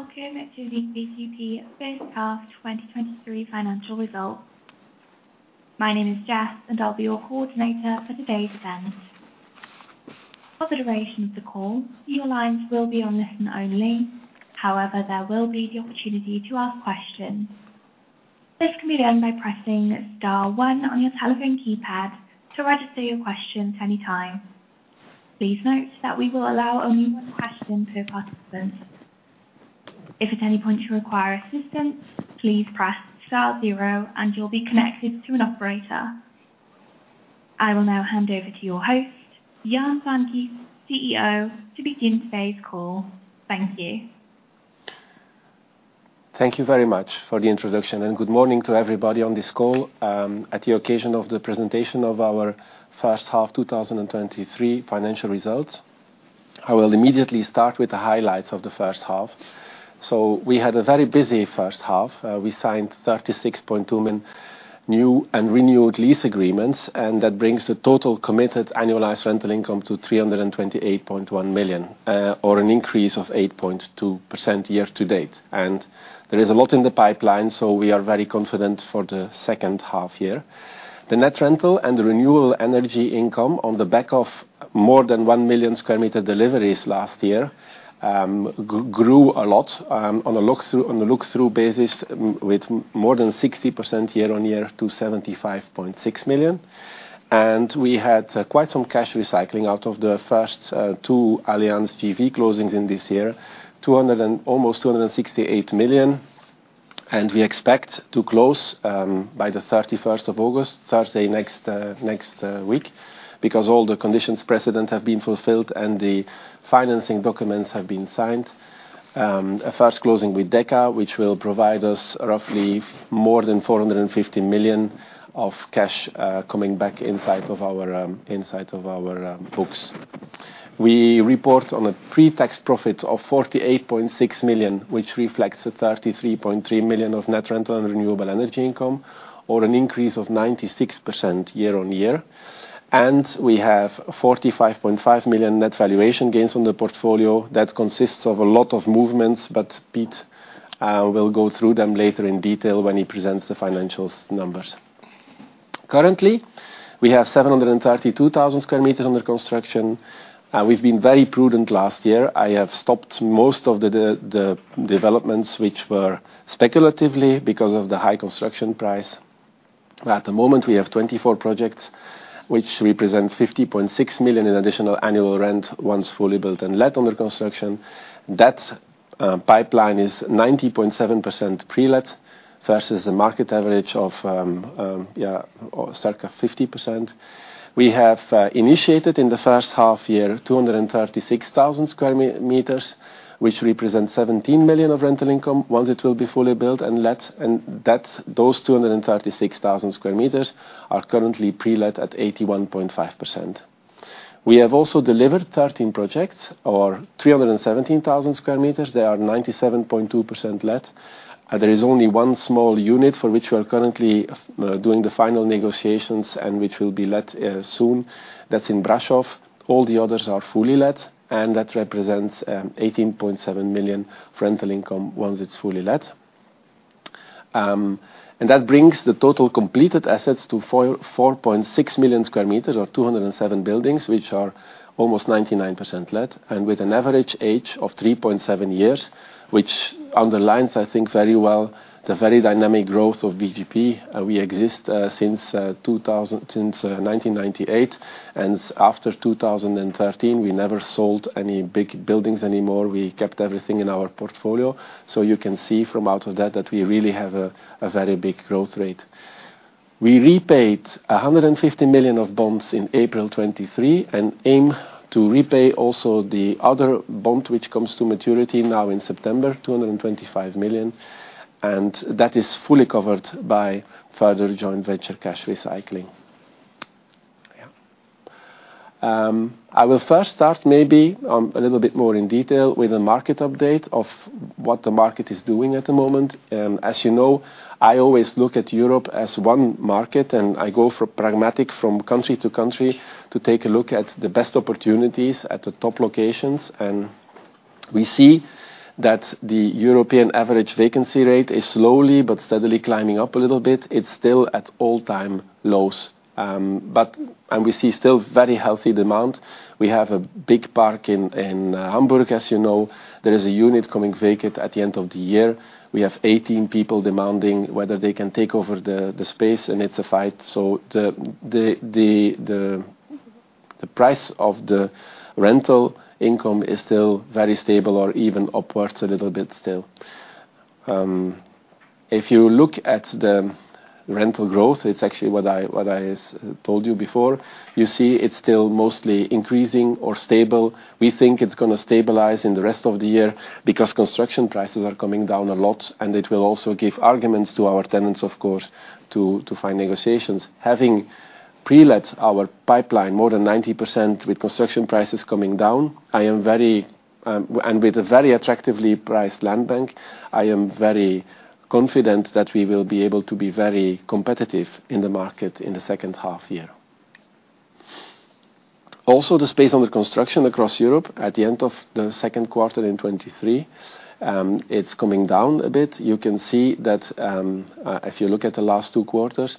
Welcome to the VGP first half 2023 financial results. My name is Jess, and I'll be your coordinator for today's event. For the duration of the call, your lines will be on listen-only. However, there will be the opportunity to ask questions. This can be done by pressing star one on your telephone keypad to register your questions anytime. Please note that we will allow only one question per participant. If at any point you require assistance, please press star zero, and you'll be connected to an operator. I will now hand over to your host, Jan Van Geet, CEO, to begin today's call. Thank you. Thank you very much for the introduction, and good morning to everybody on this call. At the occasion of the presentation of our first half 2023 financial results, I will immediately start with the highlights of the first half. We had a very busy first half. We signed 36.2 million new and renewed lease agreements, and that brings the total committed annualized rental income to 328.1 million, or an increase of 8.2% year to date. There is a lot in the pipeline, so we are very confident for the second half year. The net rental and the renewable energy income on the back of more than 1 million sq m deliveries last year, grew a lot, on a look through, on a look-through basis, with more than 60% year-on-year to 75.6 million. And we had, quite some cash recycling out of the first, two Allianz JV closings in this year, 200 million and almost 268 million. And we expect to close, by the 31st of August, Thursday, next week, because all the conditions precedent have been fulfilled, and the financing documents have been signed. A first closing with Deka, which will provide us roughly more than 450 million of cash, coming back inside of our books. We report on a pre-tax profit of 48.6 million, which reflects 33.3 million of net rental and renewable energy income, or an increase of 96% year-on-year. We have 45.5 million net valuation gains on the portfolio. That consists of a lot of movements, but Piet will go through them later in detail when he presents the financial numbers. Currently, we have 732,000 sq m under construction, and we've been very prudent last year. I have stopped most of the developments which were speculative because of the high construction price. At the moment, we have 24 projects, which represent 50.6 million in additional annual rent, once fully built and let under construction. That pipeline is 90.7% pre-let versus the market average of, circa 50%. We have initiated in the first half year, 236,000 sq m, which represent 17 million of rental income, once it will be fully built and let, and that's those 236,000 sq m are currently pre-let at 81.5%. We have also delivered 13 projects or 317,000 sq m. They are 97.2% let. And there is only one small unit for which we are currently doing the final negotiations and which will be let, soon. That's in Brașov. All the others are fully let, and that represents, 18.7 million rental income once it's fully let. And that brings the total completed assets to 4.6 million sq m or 207 buildings, which are almost 99% let, and with an average age of 3.7 years, which underlines, I think, very well, the very dynamic growth of VGP. We exist since 1998, and after 2013, we never sold any big buildings anymore. We kept everything in our portfolio. So you can see from out of that, that we really have a, a very big growth rate. We repaid 150 million of bonds in April 2023 and aim to repay also the other bond, which comes to maturity now in September, 225 million, and that is fully covered by further joint venture cash recycling. Yeah. I will first start maybe a little bit more in detail with a market update of what the market is doing at the moment. As you know, I always look at Europe as one market, and I go for pragmatic from country to country to take a look at the best opportunities at the top locations. And we see that the European average vacancy rate is slowly but steadily climbing up a little bit. It's still at all-time lows. And we see still very healthy demand. We have a big park in Hamburg, as you know. There is a unit coming vacant at the end of the year. We have 18 people demanding whether they can take over the space, and it's a fight. So the price of the rental income is still very stable or even upwards a little bit still. If you look at the rental growth, it's actually what I told you before. You see it's still mostly increasing or stable. We think it's gonna stabilize in the rest of the year because construction prices are coming down a lot, and it will also give arguments to our tenants, of course, to find negotiations. Having pre-let our pipeline more than 90% with construction prices coming down, I am very, and with a very attractively priced land bank, I am very confident that we will be able to be very competitive in the market in the second half year. Also, the space under construction across Europe at the end of the second quarter in 2023, it's coming down a bit. You can see that, if you look at the last two quarters,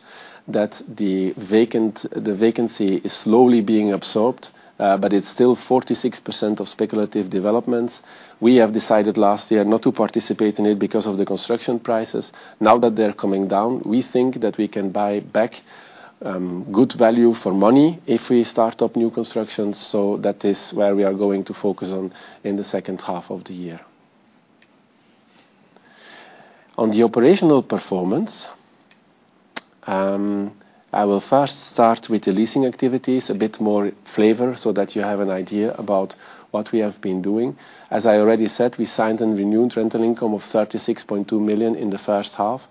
that the vacancy is slowly being absorbed, but it's still 46% of speculative developments. We have decided last year not to participate in it because of the construction prices. Now that they're coming down, we think that we can buy back good value for money if we start up new constructions. So that is where we are going to focus on in the second half of the year. On the operational performance, I will first start with the leasing activities, a bit more flavor so that you have an idea about what we have been doing. As I already said, we signed and renewed rental income of 36.2 million in the first half.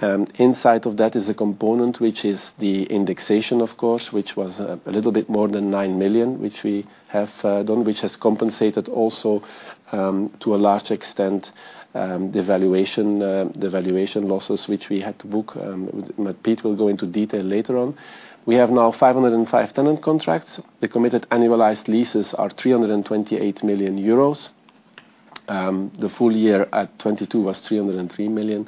Inside of that is a component which is the indexation, of course, which was a little bit more than 9 million, which we have done, which has compensated also to a large extent the valuation losses, which we had to book. But Piet will go into detail later on. We have now 505 tenant contracts. The committed annualized leases are 328 million euros. The full year at 2022 was 303 million,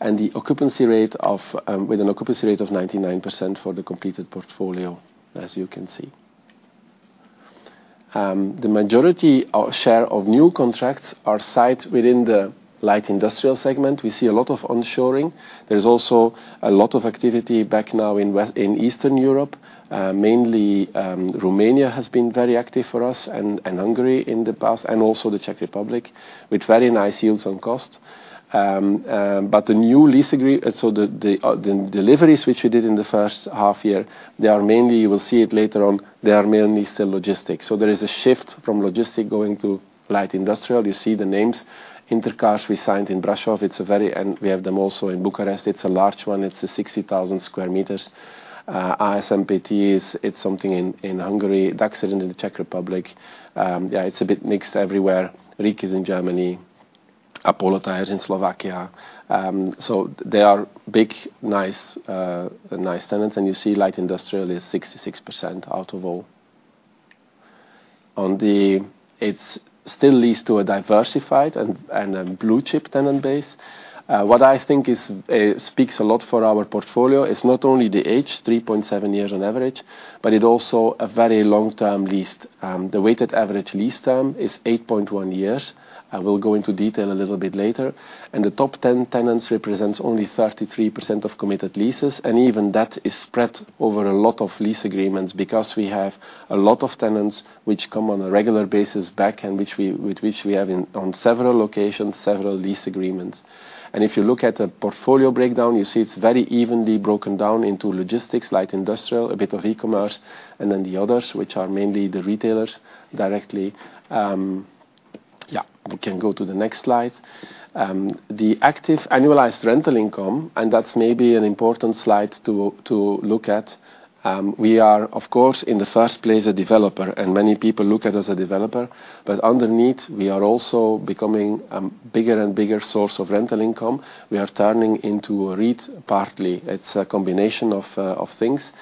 and an occupancy rate of 99% for the completed portfolio, as you can see. The majority of share of new contracts are signed within the light industrial segment. We see a lot of onshoring. There's also a lot of activity back now in Eastern Europe. Mainly, Romania has been very active for us, and Hungary in the past, and also the Czech Republic, with very nice yields on cost. But so the deliveries which we did in the first half year, they are mainly. You will see it later on, they are mainly still logistics. So there is a shift from logistic going to light industrial. You see the names. Inter Cars we signed in Brașov. It's, and we have them also in Bucharest. It's a large one. It's a 60,000 sq m. ISMPT is, it's something in Hungary, Dachser in the Czech Republic. Yeah, it's a bit mixed everywhere. Rieck is in Germany, Apollo Tyres in Slovakia. So they are big, nice, nice tenants, and you see light industrial is 66% out of all. It still leads to a diversified and a blue-chip tenant base. What I think is speaks a lot for our portfolio, it's not only the age, 3.7 years on average, but it also a very long-term lease. The weighted average lease term is 8.1 years, and we'll go into detail a little bit later. The top ten tenants represents only 33% of committed leases, and even that is spread over a lot of lease agreements because we have a lot of tenants which come on a regular basis back, and which we, with which we have in, on several locations, several lease agreements. If you look at the portfolio breakdown, you see it's very evenly broken down into logistics, light industrial, a bit of e-commerce, and then the others, which are mainly the retailers directly. Yeah, we can go to the next slide. The active annualized rental income, and that's maybe an important slide to, to look at. We are, of course, in the first place, a developer, and many people look at us a developer, but underneath we are also becoming a bigger and bigger source of rental income. We are turning into a REIT, partly. It's a combination of, of things.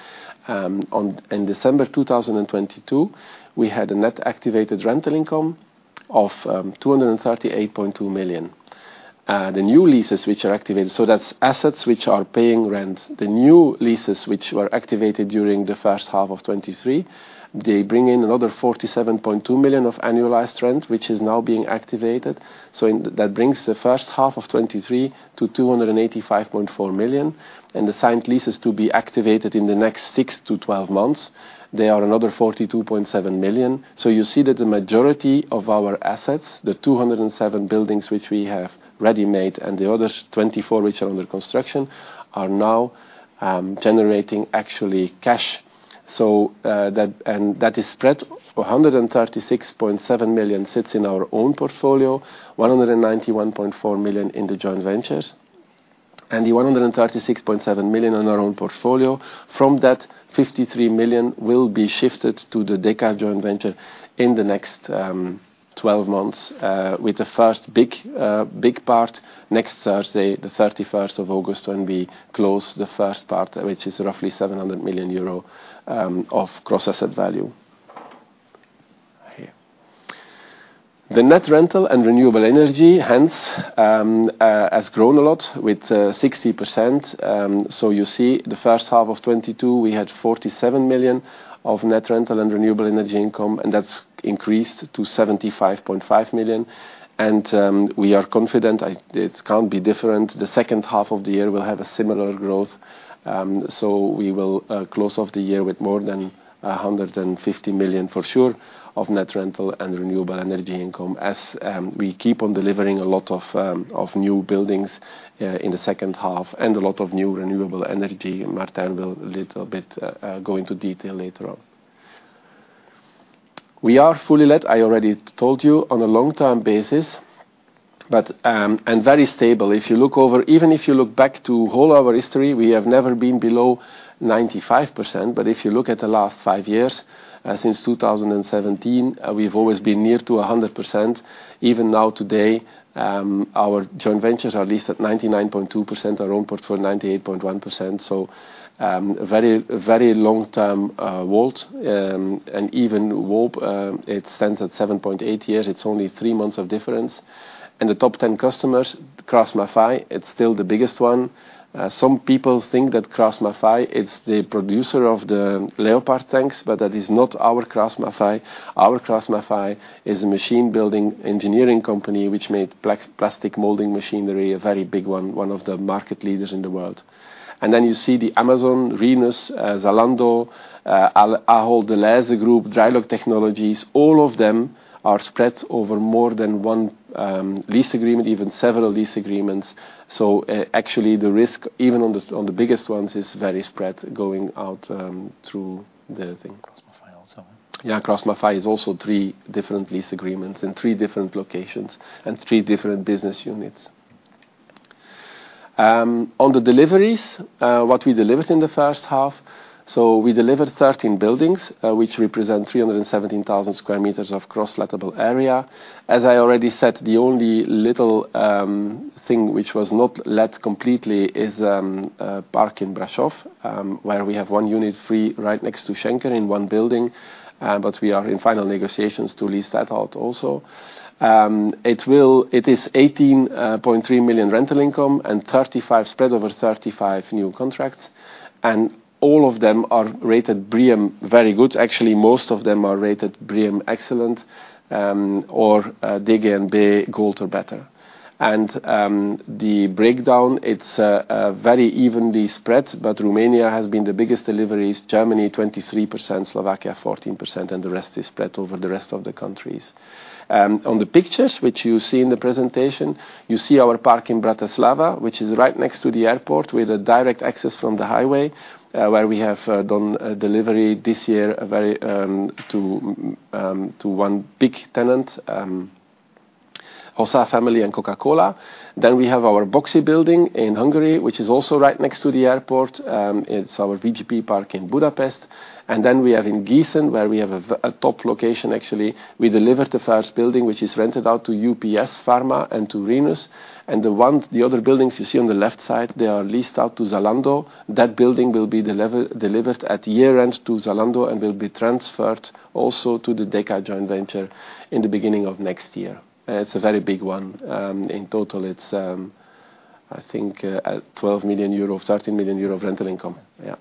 In December 2022, we had a net activated rental income of 238.2 million. The new leases which are activated, so that's assets which are paying rent. The new leases which were activated during the first half of 2023, they bring in another 47.2 million of annualized rent, which is now being activated. So in, that brings the first half of 2023 to 285.4 million, and the signed leases to be activated in the next six to twelve months, they are another 42.7 million. So you see that the majority of our assets, the 207 buildings which we have ready-made, and the other 24 which are under construction, are now, generating actually cash. So, that, and that is spread, 136.7 million sits in our own portfolio, 191.4 million in the joint ventures, and the 136.7 million in our own portfolio. From that, 53 million will be shifted to the Deka joint venture in the next twelve months, with the first big, big part next Thursday, the 31st of August, when we close the first part, which is roughly 700 million euro of cross-asset value. Here. The net rental and renewable energy, hence, has grown a lot with 60%. So you see, the first half of 2022, we had 47 million of net rental and renewable energy income, and that's increased to 75.5 million. And we are confident, it can't be different. The second half of the year will have a similar growth. So we will close off the year with more than 150 million, for sure, of net rental and renewable energy income. As we keep on delivering a lot of new buildings in the second half and a lot of new renewable energy, Martijn will a little bit go into detail later on. We are fully let, I already told you, on a long-term basis, but and very stable. If you look over, even if you look back to our whole history, we have never been below 95%, but if you look at the last five years since 2017, we've always been near to 100%. Even now, today, our joint ventures are leased at 99.2%, our own portfolio 98.1%. So, very, very long-term, WAULT and even WALT it stands at 7.8 years. It's only three months of difference. The top ten customers, KraussMaffei, it's still the biggest one. Some people think that KraussMaffei, it's the producer of the leopard tanks, but that is not our KraussMaffei. Our KraussMaffei is a machine building engineering company, which made plastic molding machinery a very big one, one of the market leaders in the world. And then you see the Amazon, Rhenus, Zalando, Ahold Delhaize Group, Drylock Technologies, all of them are spread over more than one lease agreement, even several lease agreements. So actually, the risk, even on the biggest ones, is very spread going out through the thing. KraussMaffei also. Yeah, KraussMaffei is also three different lease agreements in three different locations and three different business units. On the deliveries, what we delivered in the first half, so we delivered 13 buildings, which represent 317,000 sq m of gross lettable area. As I already said, the only little thing which was not let completely is a park in Brașov, where we have one unit free right next to Schenker in one building, but we are in final negotiations to lease that out also. It is 18.3 million rental income and 35, spread over 35 new contracts, and all of them are rated BREEAM Very Good. Actually, most of them are rated BREEAM Excellent, or DGNB Gold or better. The breakdown, it's very evenly spread, but Romania has been the biggest deliveries, Germany 23%, Slovakia 14%, and the rest is spread over the rest of the countries. On the pictures which you see in the presentation, you see our park in Bratislava, which is right next to the airport, with a direct access from the highway, where we have done a delivery this year, a very to one big tenant, Hossa Family and Coca-Cola. Then we have our Boxy building in Hungary, which is also right next to the airport. It's our VGP Park in Budapest. And then we have in Gießen, where we have a top location, actually. We delivered the first building, which is rented out to UPS Pharma and to Rhenus. And the ones, the other buildings you see on the left side, they are leased out to Zalando. That building will be delivered at year-end to Zalando and will be transferred also to the Deka joint venture in the beginning of next year. It's a very big one. In total, it's, I think, 12 million-13 million euro of rental income. Yeah.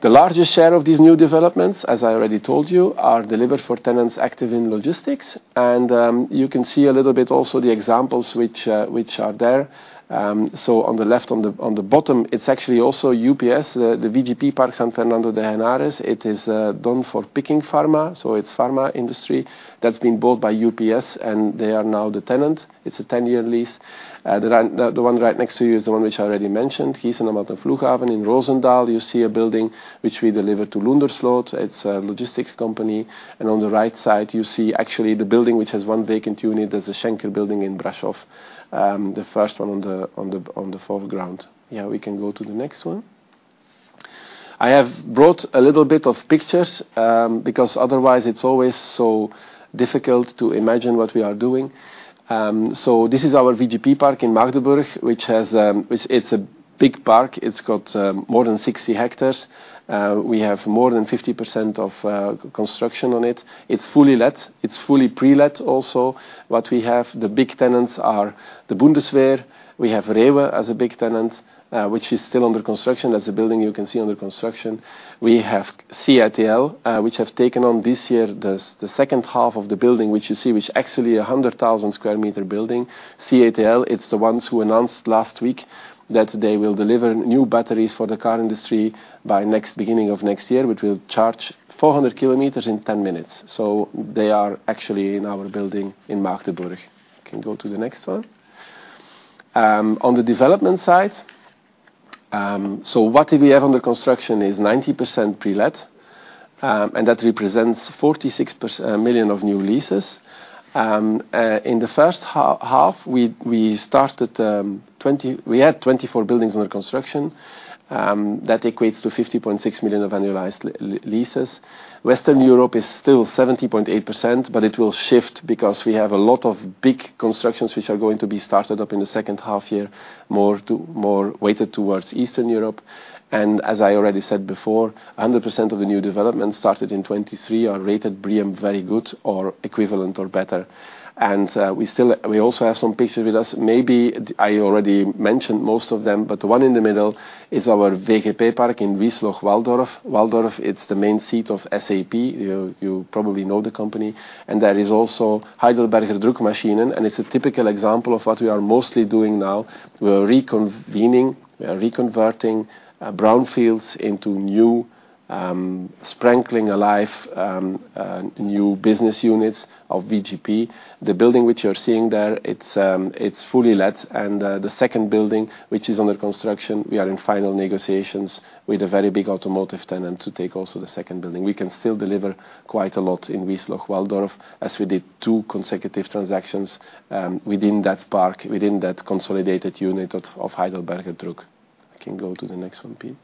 The largest share of these new developments, as I already told you, are delivered for tenants active in logistics, and you can see a little bit also the examples which, which are there. So on the left, on the bottom, it's actually also UPS, the VGP park San Fernando de Henares. It is done for picking pharma, so it's pharma industry that's been bought by UPS, and they are now the tenant. It's a 10-year lease. The one right next to you is the one which I already mentioned, Gießen Am Flughafen. In Roosendaal, you see a building which we delivered to Loendersloot. It's a logistics company. And on the right side, you see actually the building, which has one vacant unit. There's a Schenker building in Brașov, the first one on the foreground. Yeah, we can go to the next one. I have brought a little bit of pictures, because otherwise it's always so difficult to imagine what we are doing. So this is our VGP Park in Magdeburg, which it's a big park. It's got more than 60 hectares. We have more than 50% of construction on it. It's fully let. It's fully pre-let also. What we have, the big tenants are the Bundeswehr. We have REWE as a big tenant, which is still under construction. That's the building you can see under construction. We have CATL, which have taken on this year, the second half of the building, which you see, which actually a 100,000 sq m building. CATL, it's the ones who announced last week that they will deliver new batteries for the car industry by next, beginning of next year, which will charge 400 km in 10 minutes. So they are actually in our building in Magdeburg. Can go to the next one. On the development side, so what do we have under construction is 90% pre-let, and that represents 46 million of new leases. In the first half, we started twenty... We had 24 buildings under construction. That equates to 50.6 million of annualized leases. Western Europe is still 70.8%, but it will shift because we have a lot of big constructions, which are going to be started up in the second half year, more to, more weighted towards Eastern Europe. And as I already said before, 100% of the new developments started in 2023 are rated BREEAM Very Good or equivalent or better. And, we still, we also have some pictures with us. Maybe I already mentioned most of them, but the one in the middle is our VGP park in Wiesloch-Walldorf. Walldorf, it's the main seat of SAP. You, you probably know the company, and there is also Heidelberger Druckmaschinen, and it's a typical example of what we are mostly doing now. We are redeveloping, we are converting brownfields into new sparkling lively new business units of VGP. The building which you're seeing there, it's fully let, and the second building, which is under construction, we are in final negotiations with a very big automotive tenant to take also the second building. We can still deliver quite a lot in Wiesloch-Walldorf, as we did two consecutive transactions within that park, within that consolidated unit of Heidelberger Druck. I can go to the next one, please....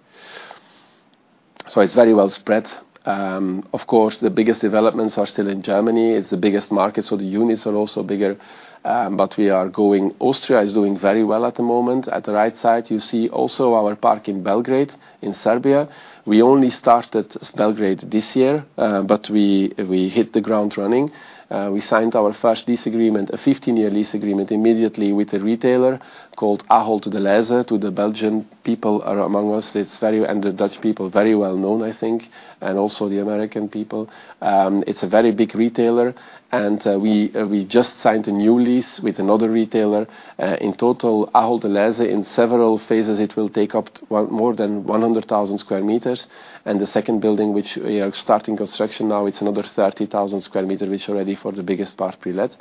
So it's very well spread. Of course, the biggest developments are still in Germany. It's the biggest market, so the units are also bigger, but we are going-- Austria is doing very well at the moment. At the right side, you see also our park in Belgrade, in Serbia. We only started in Belgrade this year, but we hit the ground running. We signed our first lease agreement, a 15-year lease agreement, immediately with a retailer called Ahold Delhaize. To the Belgian people among us, it's very well known, and the Dutch people very well known, I think, and also the American people. It's a very big retailer, and we just signed a new lease with another retailer. In total, Ahold Delhaize, in several phases, it will take up well more than 100,000 sq m, and the second building, which we are starting construction now, it's another 30,000 sq m, which already for the biggest part pre-let.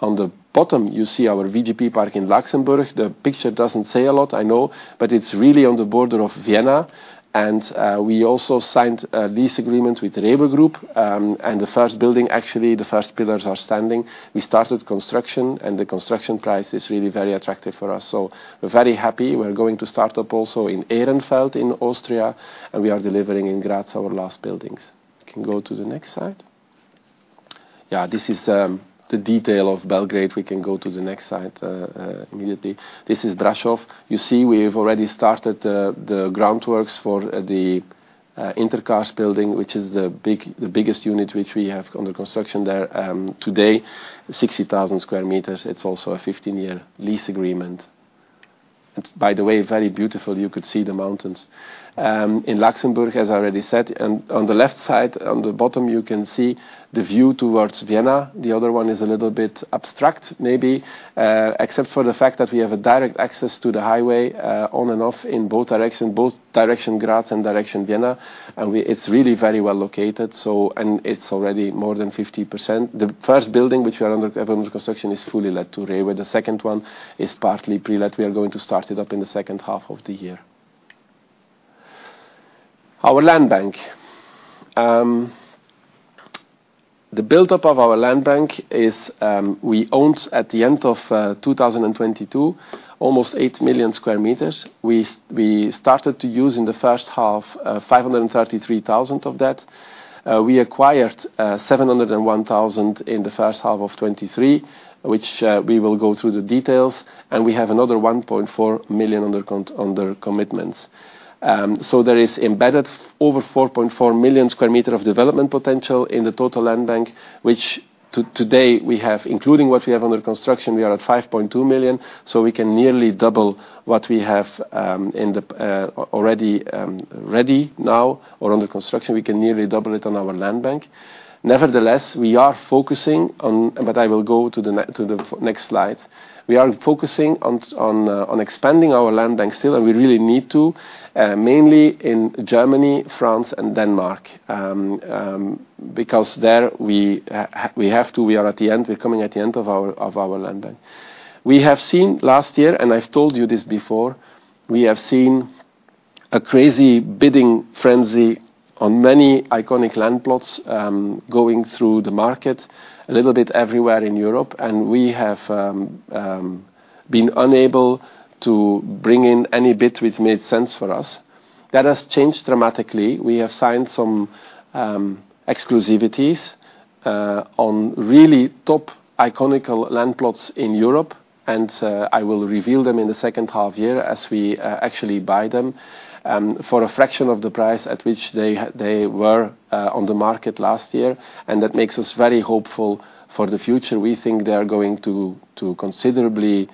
On the bottom, you see our VGP park in Laxenburg. The picture doesn't say a lot, I know, but it's really on the border of Vienna, and we also signed lease agreements with REWE Group, and the first building, actually, the first pillars are standing. We started construction, and the construction price is really very attractive for us, so we're very happy. We're going to start up also in Ehrenfeld in Austria, and we are delivering in Graz our last buildings. You can go to the next slide. Yeah, this is the detail of Belgrade. We can go to the next slide immediately. This is Brașov. You see, we have already started the groundworks for the Inter Cars building, which is the big, the biggest unit which we have under construction there, today, 60,000 sq m. It's also a 15-year lease agreement. By the way, very beautiful, you could see the mountains. In Laxenburg, as I already said, and on the left side, on the bottom, you can see the view towards Vienna. The other one is a little bit abstract, maybe, except for the fact that we have a direct access to the highway, on and off in both direction, both direction Graz and direction Vienna, and it's really very well located, so, and it's already more than 50%. The first building which are under construction is fully let to REWE. The second one is partly pre-let. We are going to start it up in the second half of the year. Our land bank. The buildup of our land bank is, we owned, at the end of 2022, almost eight million sq m. We started to use in the first half 533,000 of that. We acquired 701,000 in the first half of 2023, which we will go through the details, and we have another 1.4 million under commitments. So there is embedded over 4.4 million sqm of development potential in the total land bank, which today we have, including what we have under construction, we are at 5.2 million, so we can nearly double what we have already ready now or under construction. We can nearly double it on our land bank. Nevertheless, we are focusing on... But I will go to the next slide. We are focusing on expanding our land bank still, and we really need to mainly in Germany, France, and Denmark, because there, we have to, we are at the end, we're coming at the end of our land bank. We have seen last year, and I've told you this before, we have seen a crazy bidding frenzy on many iconic land plots, going through the market a little bit everywhere in Europe, and we have been unable to bring in any bid which made sense for us. That has changed dramatically. We have signed some exclusivities on really top iconic land plots in Europe, and I will reveal them in the second half year as we actually buy them for a fraction of the price at which they were on the market last year, and that makes us very hopeful for the future. We think they are going to considerably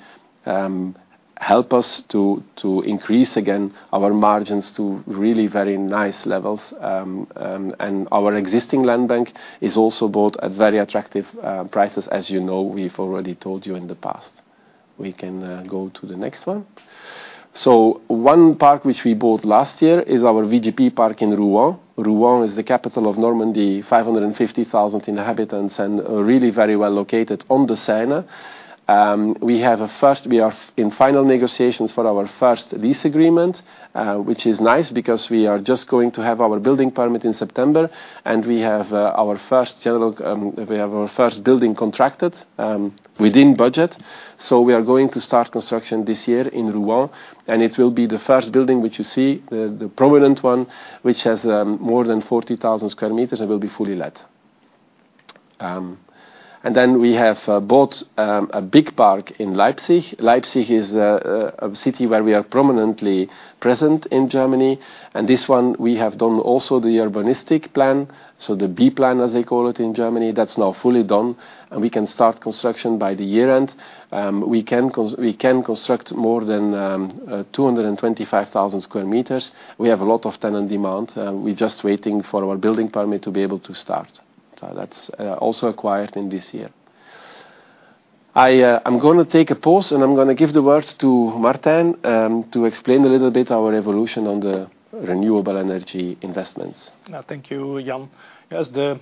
help us to increase again our margins to really very nice levels. And our existing land bank is also bought at very attractive prices, as you know, we've already told you in the past. We can go to the next one. So one park which we bought last year is our VGP Park in Rouen. Rouen is the capital of Normandy, 550,000 inhabitants and really very well located on the Seine. We are in final negotiations for our first lease agreement, which is nice because we are just going to have our building permit in September, and we have our first general, we have our first building contracted within budget. So we are going to start construction this year in Rouen, and it will be the first building which you see, the prominent one, which has more than 40,000 sq m and will be fully let. And then we have bought a big park in Leipzig. Leipzig is a city where we are prominently present in Germany, and this one we have done also the urbanistic plan, so the B-Plan, as they call it in Germany. That's now fully done, and we can start construction by the year end. We can construct more than 225,000 sq m. We have a lot of tenant demand, and we're just waiting for our building permit to be able to start. So that's also acquired in this year. I'm gonna take a pause, and I'm gonna give the words to Martijn to explain a little bit our evolution on the renewable energy investments. Thank you, Jan. As the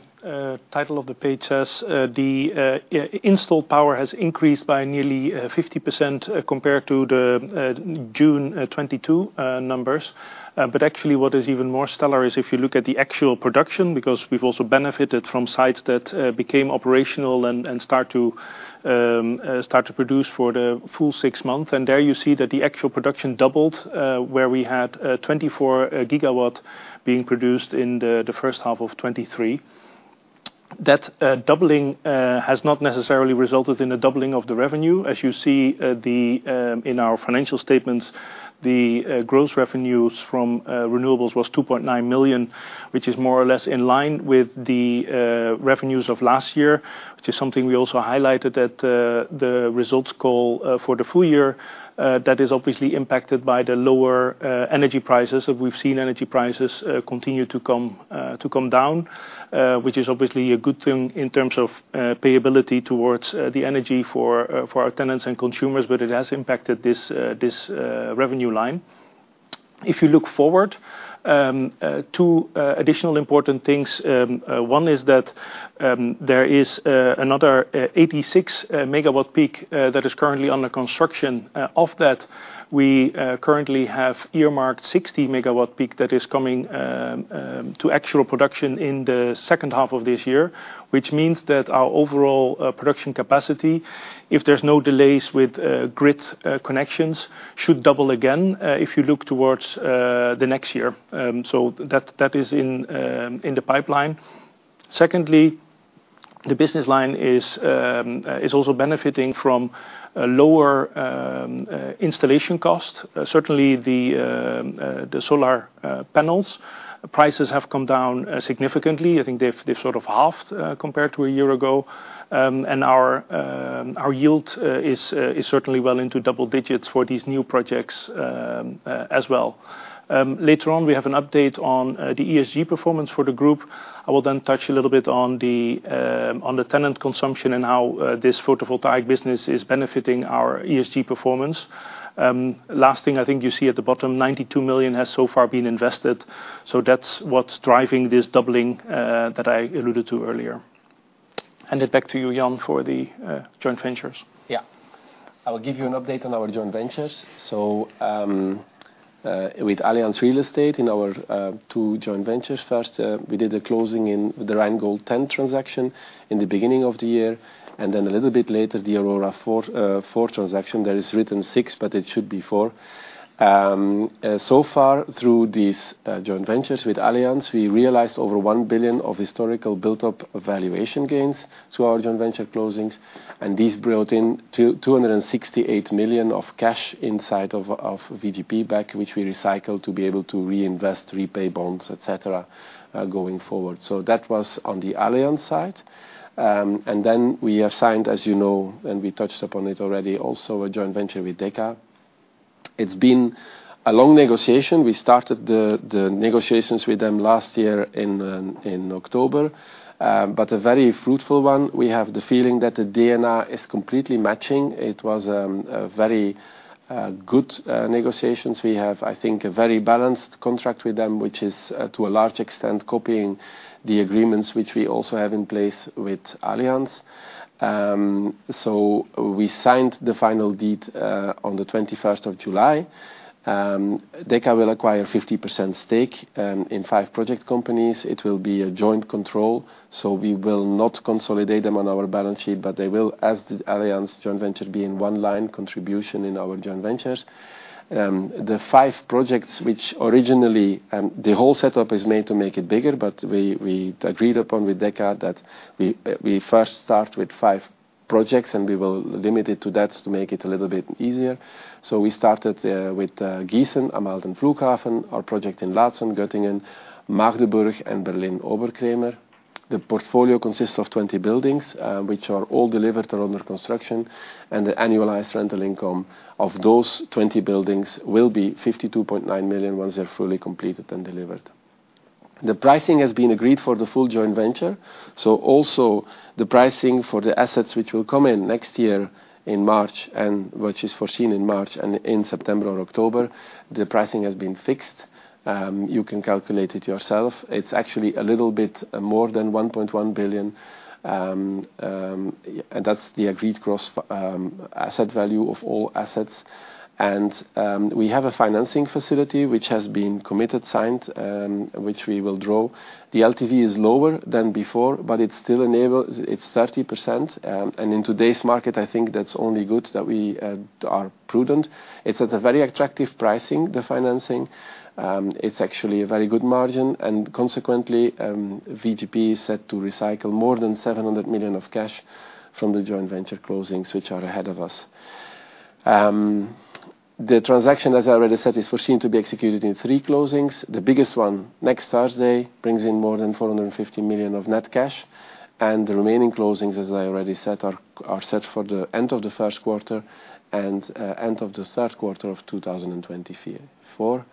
title of the page says, the installed power has increased by nearly 50%, compared to the June 2022 numbers. But actually, what is even more stellar is if you look at the actual production, because we've also benefited from sites that became operational and start to produce for the full six month, and there you see that the actual production doubled, where we had 24 gigawatt being produced in the first half of 2023. That doubling has not necessarily resulted in a doubling of the revenue. As you see, in our financial statements, the gross revenues from renewables was 2.9 million, which is more or less in line with the revenues of last year. Which is something we also highlighted at the results call for the full year. That is obviously impacted by the lower energy prices, and we've seen energy prices continue to come down. Which is obviously a good thing in terms of affordability towards the energy for our tenants and consumers, but it has impacted this revenue line. If you look forward, two additional important things. One is that there is another 86 MWp that is currently under construction. Of that, we currently have earmarked 60 MWp that is coming to actual production in the second half of this year. Which means that our overall production capacity, if there's no delays with grid connections, should double again if you look towards the next year. So that is in the pipeline. Secondly, the business line is also benefiting from a lower installation cost. Certainly the solar panels prices have come down significantly. I think they've sort of halved compared to a year ago. And our yield is certainly well into double digits for these new projects as well. Later on, we have an update on the ESG performance for the group. I will then touch a little bit on the on the tenant consumption and how this photovoltaic business is benefiting our ESG performance. Last thing, I think you see at the bottom, 92 million has so far been invested, so that's what's driving this doubling that I alluded to earlier. Hand it back to you, Jan, for the joint ventures. Yeah. I will give you an update on our joint ventures. So, with Allianz Real Estate, in our two joint ventures, first, we did the closing in the Rheingold Ten transaction in the beginning of the year, and then a little bit later, the Aurora IV transaction. There is written six, but it should be four. So far through these joint ventures with Allianz, we realized over 1 billion of historical built-up valuation gains through our joint venture closings, and these brought in 268 million of cash inside of VGP back, which we recycled to be able to reinvest, repay bonds, et cetera, going forward. So that was on the Allianz side. And then we have signed, as you know, and we touched upon it already, also a joint venture with Deka. It's been a long negotiation. We started the negotiations with them last year in October, but a very fruitful one. We have the feeling that the DNA is completely matching. It was a very good negotiations. We have, I think, a very balanced contract with them, which is to a large extent copying the agreements which we also have in place with Allianz. So we signed the final deed on the 21st of July. Deka will acquire 50% stake in five project companies. It will be a joint control, so we will not consolidate them on our balance sheet, but they will, as the Allianz joint venture, be in one line contribution in our joint ventures. The five projects which originally... The whole setup is made to make it bigger, but we agreed upon with Deka that we first start with five projects, and we will limit it to that to make it a little bit easier. So we started with Gießen Am Alten Flughafen, our project in Laatzen, Göttingen, Magdeburg and Berlin-Oberkrämer. The portfolio consists of 20 buildings, which are all delivered or under construction, and the annualized rental income of those 20 buildings will be 52.9 million once they're fully completed and delivered. The pricing has been agreed for the full joint venture, so also the pricing for the assets, which will come in next year in March, and which is foreseen in March and in September or October, the pricing has been fixed. You can calculate it yourself. It's actually a little bit more than 1.1 billion. And that's the agreed gross asset value of all assets. We have a financing facility, which has been committed, signed, which we will draw. The LTV is lower than before, but it still enables. It's 30%, and in today's market, I think that's only good that we are prudent. It's at a very attractive pricing, the financing. It's actually a very good margin, and consequently, VGP is set to recycle more than 700 million of cash from the joint venture closings, which are ahead of us. The transaction, as I already said, is foreseen to be executed in three closings. The biggest one, next Thursday, brings in more than 450 million of net cash, and the remaining closings, as I already said, are set for the end of the first quarter and end of the third quarter of 2024.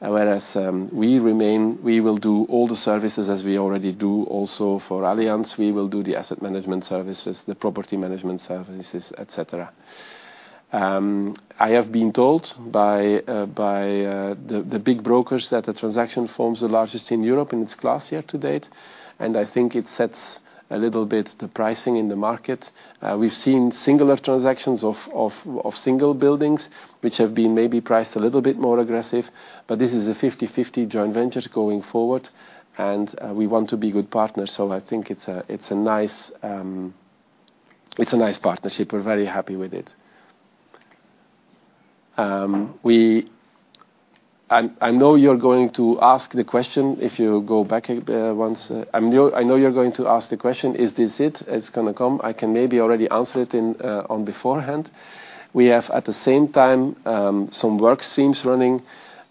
Whereas, we remain, we will do all the services as we already do also for Allianz. We will do the asset management services, the property management services, et cetera. I have been told by the big brokers that the transaction forms the largest in Europe in its class year to date, and I think it sets a little bit the pricing in the market. We've seen singular transactions of single buildings, which have been maybe priced a little bit more aggressive, but this is a 50/50 joint ventures going forward, and we want to be good partners, so I think it's a nice partnership. We're very happy with it. I know you're going to ask the question: "Is this it? It's gonna come?" I can maybe already answer it in advance. We have, at the same time, some work streams running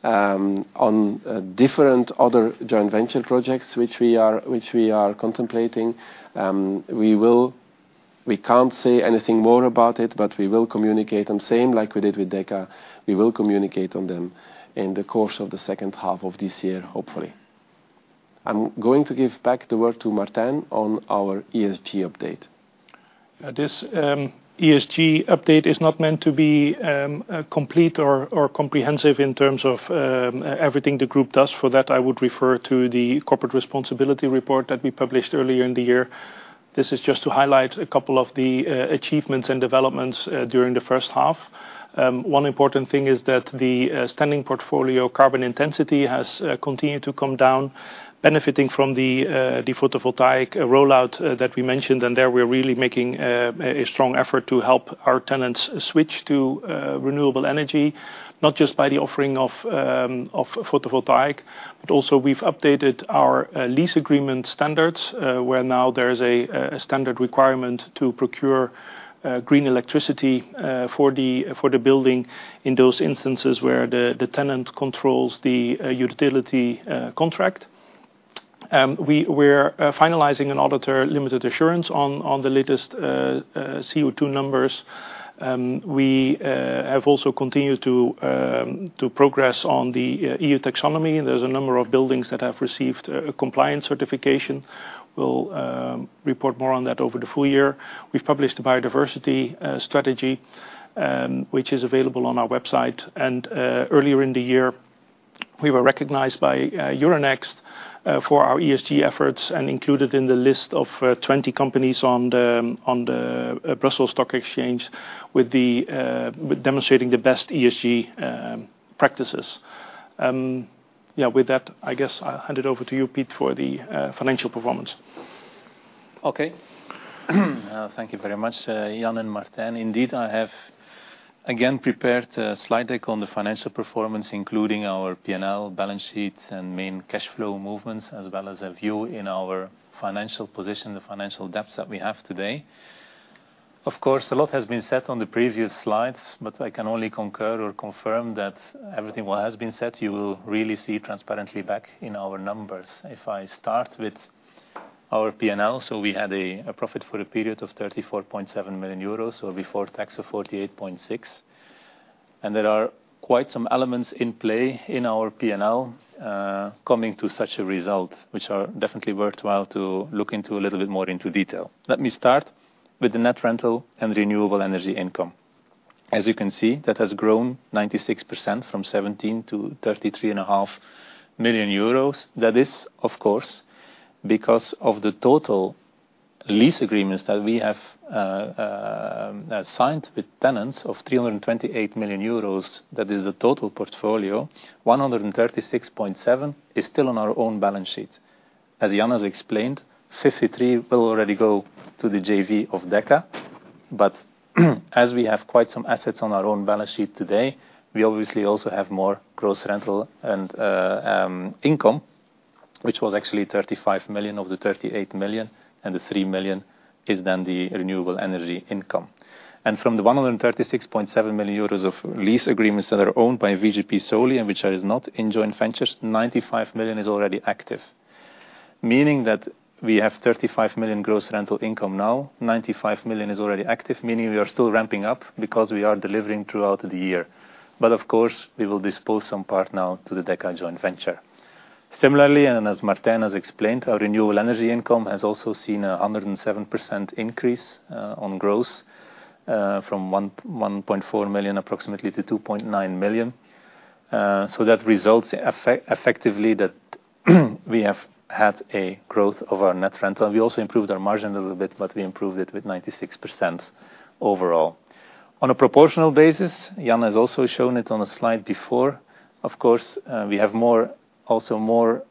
on different other joint venture projects, which we are contemplating. We will... We can't say anything more about it, but we will communicate, and same like we did with Deka, we will communicate on them in the course of the second half of this year, hopefully. I'm going to give back the work to Martijn on our ESG update. This ESG update is not meant to be complete or comprehensive in terms of everything the group does. For that, I would refer to the corporate responsibility report that we published earlier in the year. This is just to highlight a couple of the achievements and developments during the first half. One important thing is that the standing portfolio carbon intensity has continued to come down, benefiting from the photovoltaic rollout that we mentioned. And there, we're really making a strong effort to help our tenants switch to renewable energy, not just by the offering of photovoltaic, but also we've updated our lease agreement standards, where now there's a standard requirement to procure green electricity for the building in those instances where the tenant controls the utility contract. We're finalizing an auditor limited assurance on the latest CO2 numbers. We have also continued to progress on the EU Taxonomy, and there's a number of buildings that have received a compliance certification. We'll report more on that over the full year. We've published a biodiversity strategy, which is available on our website. Earlier in the year, we were recognized by Euronext for our ESG efforts and included in the list of 20 companies on the Brussels stock exchange with demonstrating the best ESG practices. Yeah, with that, I guess I'll hand it over to you, Piet, for the financial performance. Okay. Thank you very much, Jan and Martijn. Indeed, I have again prepared a slide deck on the financial performance, including our P&L, balance sheet, and main cash flow movements, as well as a view in our financial position, the financial debts that we have today. Of course, a lot has been said on the previous slides, but I can only concur or confirm that everything what has been said, you will really see transparently back in our numbers. If I start with our P&L, so we had a profit for the period of 34.7 million euros, so before tax, so 48.6 million. And there are quite some elements in play in our P&L, coming to such a result, which are definitely worthwhile to look into a little bit more into detail. Let me start with the net rental and renewable energy income. As you can see, that has grown 96%, from 17 million euros to 33.5 million euros. That is, of course, because of the total lease agreements that we have signed with tenants of 328 million euros. That is the total portfolio. 136.7 is still on our own balance sheet. As Jan has explained, 53 will already go to the JV of Deka, but as we have quite some assets on our own balance sheet today, we obviously also have more gross rental and income, which was actually 35 million of the 38 million, and the 3 million is then the renewable energy income. From the 136.7 million euros of lease agreements that are owned by VGP solely, and which is not in joint ventures, 95 million is already active, meaning that we have 35 million gross rental income now, 95 million is already active, meaning we are still ramping up because we are delivering throughout the year. But of course, we will dispose some part now to the Deka joint venture. Similarly, and as Martijn has explained, our renewable energy income has also seen 107% increase on growth from 1.4 million approximately to 2.9 million. So that results effectively that we have had a growth of our net rental. We also improved our margin a little bit, but we improved it with 96% overall. On a proportional basis, Jan has also shown it on a slide before, of course, we have more, also more,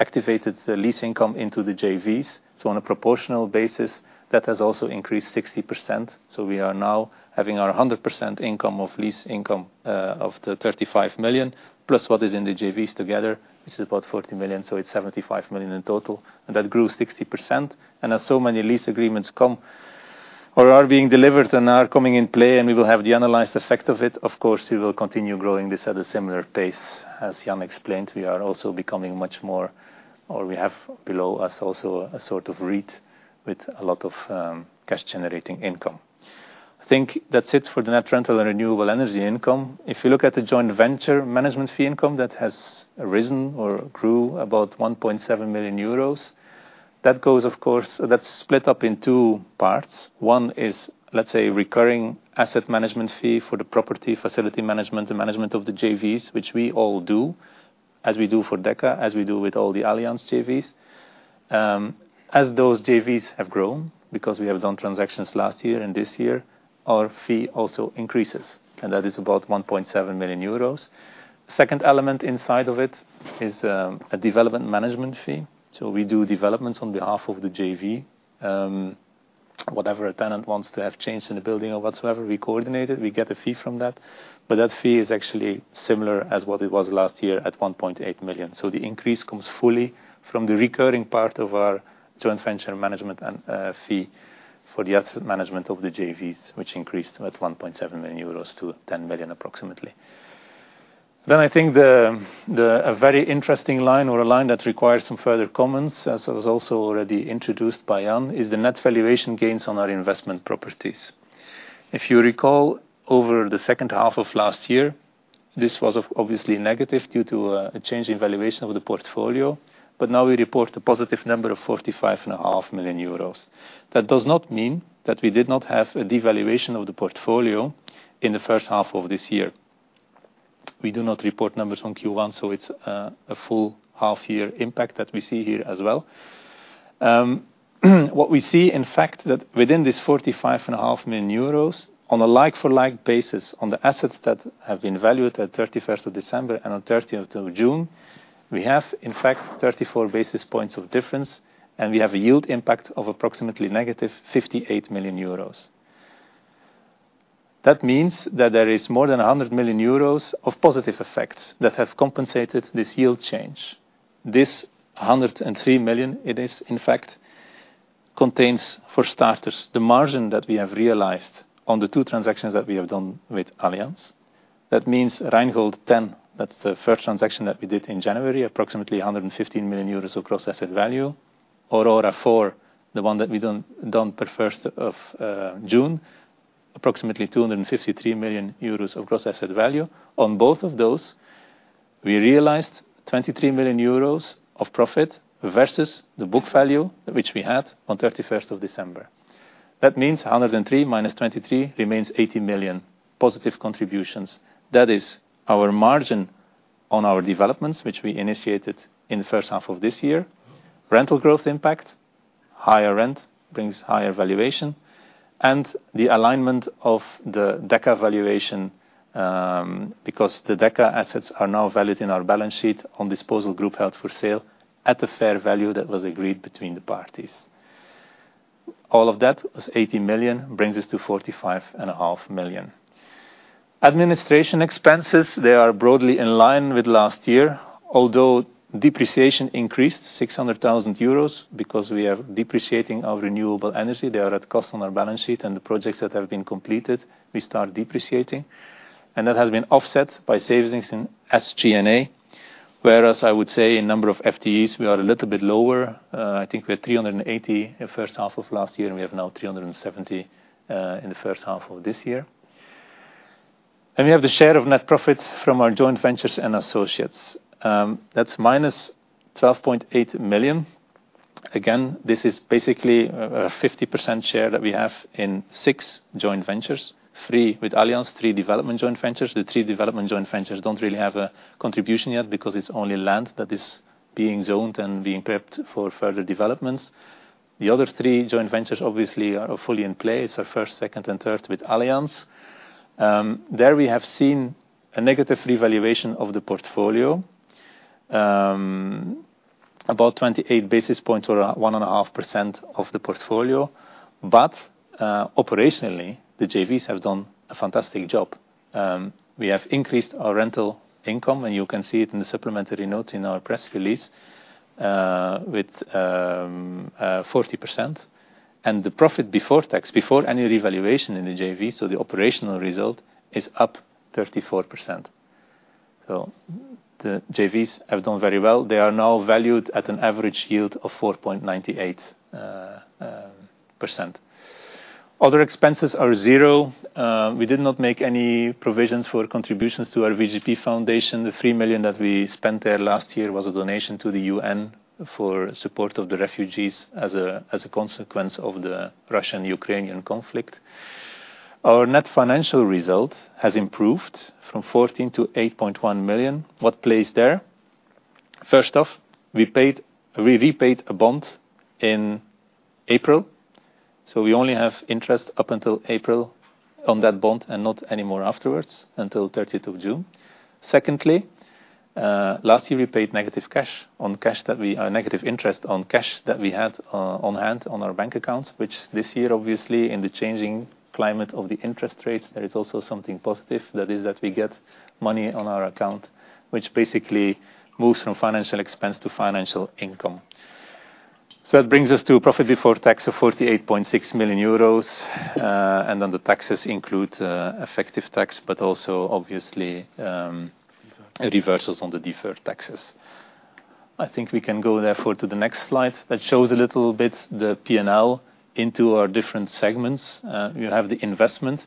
activated the lease income into the JVs. So on a proportional basis, that has also increased 60%, so we are now having our 100% income of lease income, of the 35 million, plus what is in the JVs together, which is about 40 million, so it's 75 million in total, and that grew 60%. And as so many lease agreements come or are being delivered and are coming in play, and we will have the analyzed effect of it, of course, we will continue growing this at a similar pace. As Jan explained, we are also becoming much more, or we have below us also a sort of REIT with a lot of, cash-generating income. I think that's it for the net rental and renewable energy income. If you look at the joint venture management fee income, that has risen or grew about 1.7 million euros. That goes, of course. That's split up in two parts. One is, let's say, recurring asset management fee for the property, facility management, the management of the JVs, which we all do, as we do for Deka, as we do with all the Allianz JVs. As those JVs have grown, because we have done transactions last year and this year, our fee also increases, and that is about 1.7 million euros. Second element inside of it is, a development management fee. So we do developments on behalf of the JV. Whatever a tenant wants to have changed in a building or whatsoever, we coordinate it, we get a fee from that. But that fee is actually similar as what it was last year at 1.8 million. So the increase comes fully from the recurring part of our joint venture management and fee for the asset management of the JVs, which increased at 1.7 million euros to ten million approximately. Then I think the a very interesting line or a line that requires some further comments, as was also already introduced by Ann, is the net valuation gains on our investment properties. If you recall, over the second half of last year, this was obviously negative due to a change in valuation of the portfolio, but now we report a positive number of 45.5 million euros. That does not mean that we did not have a devaluation of the portfolio in the first half of this year. We do not report numbers on Q1, so it's a full half year impact that we see here as well. What we see, in fact, that within this 45.5 million euros, on a like-for-like basis, on the assets that have been valued at 31st of December and on 13th of June, we have, in fact, 34 basis points of difference, and we have a yield impact of approximately negative 58 million euros. That means that there is more than 100 million euros of positive effects that have compensated this yield change. This 103 million, it is, in fact, contains, for starters, the margin that we have realized on the two transactions that we have done with Allianz. That means Rheingold Ten, that's the first transaction that we did in January, approximately 115 million euros of gross asset value. Aurora IV, the one that we done per first of June, approximately 253 million euros of gross asset value. On both of those, we realized 23 million euros of profit versus the book value, which we had on 31st of December. That means 103 minus 23 remains 80 million positive contributions. That is our margin on our developments, which we initiated in the first half of this year. Rental growth impact, higher rent brings higher valuation, and the alignment of the Deka valuation, because the Deka assets are now valued in our balance sheet on disposal group held for sale at the fair value that was agreed between the parties. All of that, as 80 million, brings us to 45.5 million. Administration expenses, they are broadly in line with last year, although depreciation increased 600,000 euros because we are depreciating our renewable energy. They are at cost on our balance sheet, and the projects that have been completed, we start depreciating. And that has been offset by savings in SG&A, whereas I would say in number of FTEs, we are a little bit lower. I think we're 380 in first half of last year, and we have now 370 in the first half of this year. And we have the share of net profits from our joint ventures and associates. That's -12.8 million. Again, this is basically a 50% share that we have in six joint ventures, 3 with Allianz, 3 development joint ventures. The three development joint ventures don't really have a contribution yet because it's only land that is being zoned and being prepped for further developments. The other three joint ventures, obviously, are fully in place, so first, second, and third with Allianz. There we have seen a negative revaluation of the portfolio, about 28 basis points or 1.5% of the portfolio. But operationally, the JVs have done a fantastic job. We have increased our rental income, and you can see it in the supplementary notes in our press release, with 40%. And the profit before tax, before any revaluation in the JV, so the operational result, is up 34%. So the JVs have done very well. They are now valued at an average yield of 4.98%. Other expenses are zero. We did not make any provisions for contributions to our VGP Foundation. The 3 million that we spent there last year was a donation to the UN for support of the refugees as a consequence of the Russian-Ukrainian conflict. Our net financial result has improved from 14 million to 8.1 million. What plays there? First off, we repaid a bond in April, so we only have interest up until April on that bond and not anymore afterwards, until 30th of June. Secondly, last year, we paid negative interest on cash that we had on hand on our bank accounts, which this year, obviously, in the changing climate of the interest rates, there is also something positive. That is that we get money on our account, which basically moves from financial expense to financial income. So that brings us to a profit before tax of 48.6 million euros, and then the taxes include effective tax, but also, obviously, Reversals.... reversals on the deferred taxes. I think we can go therefore to the next slide that shows a little bit the P&L into our different segments. You have the investment.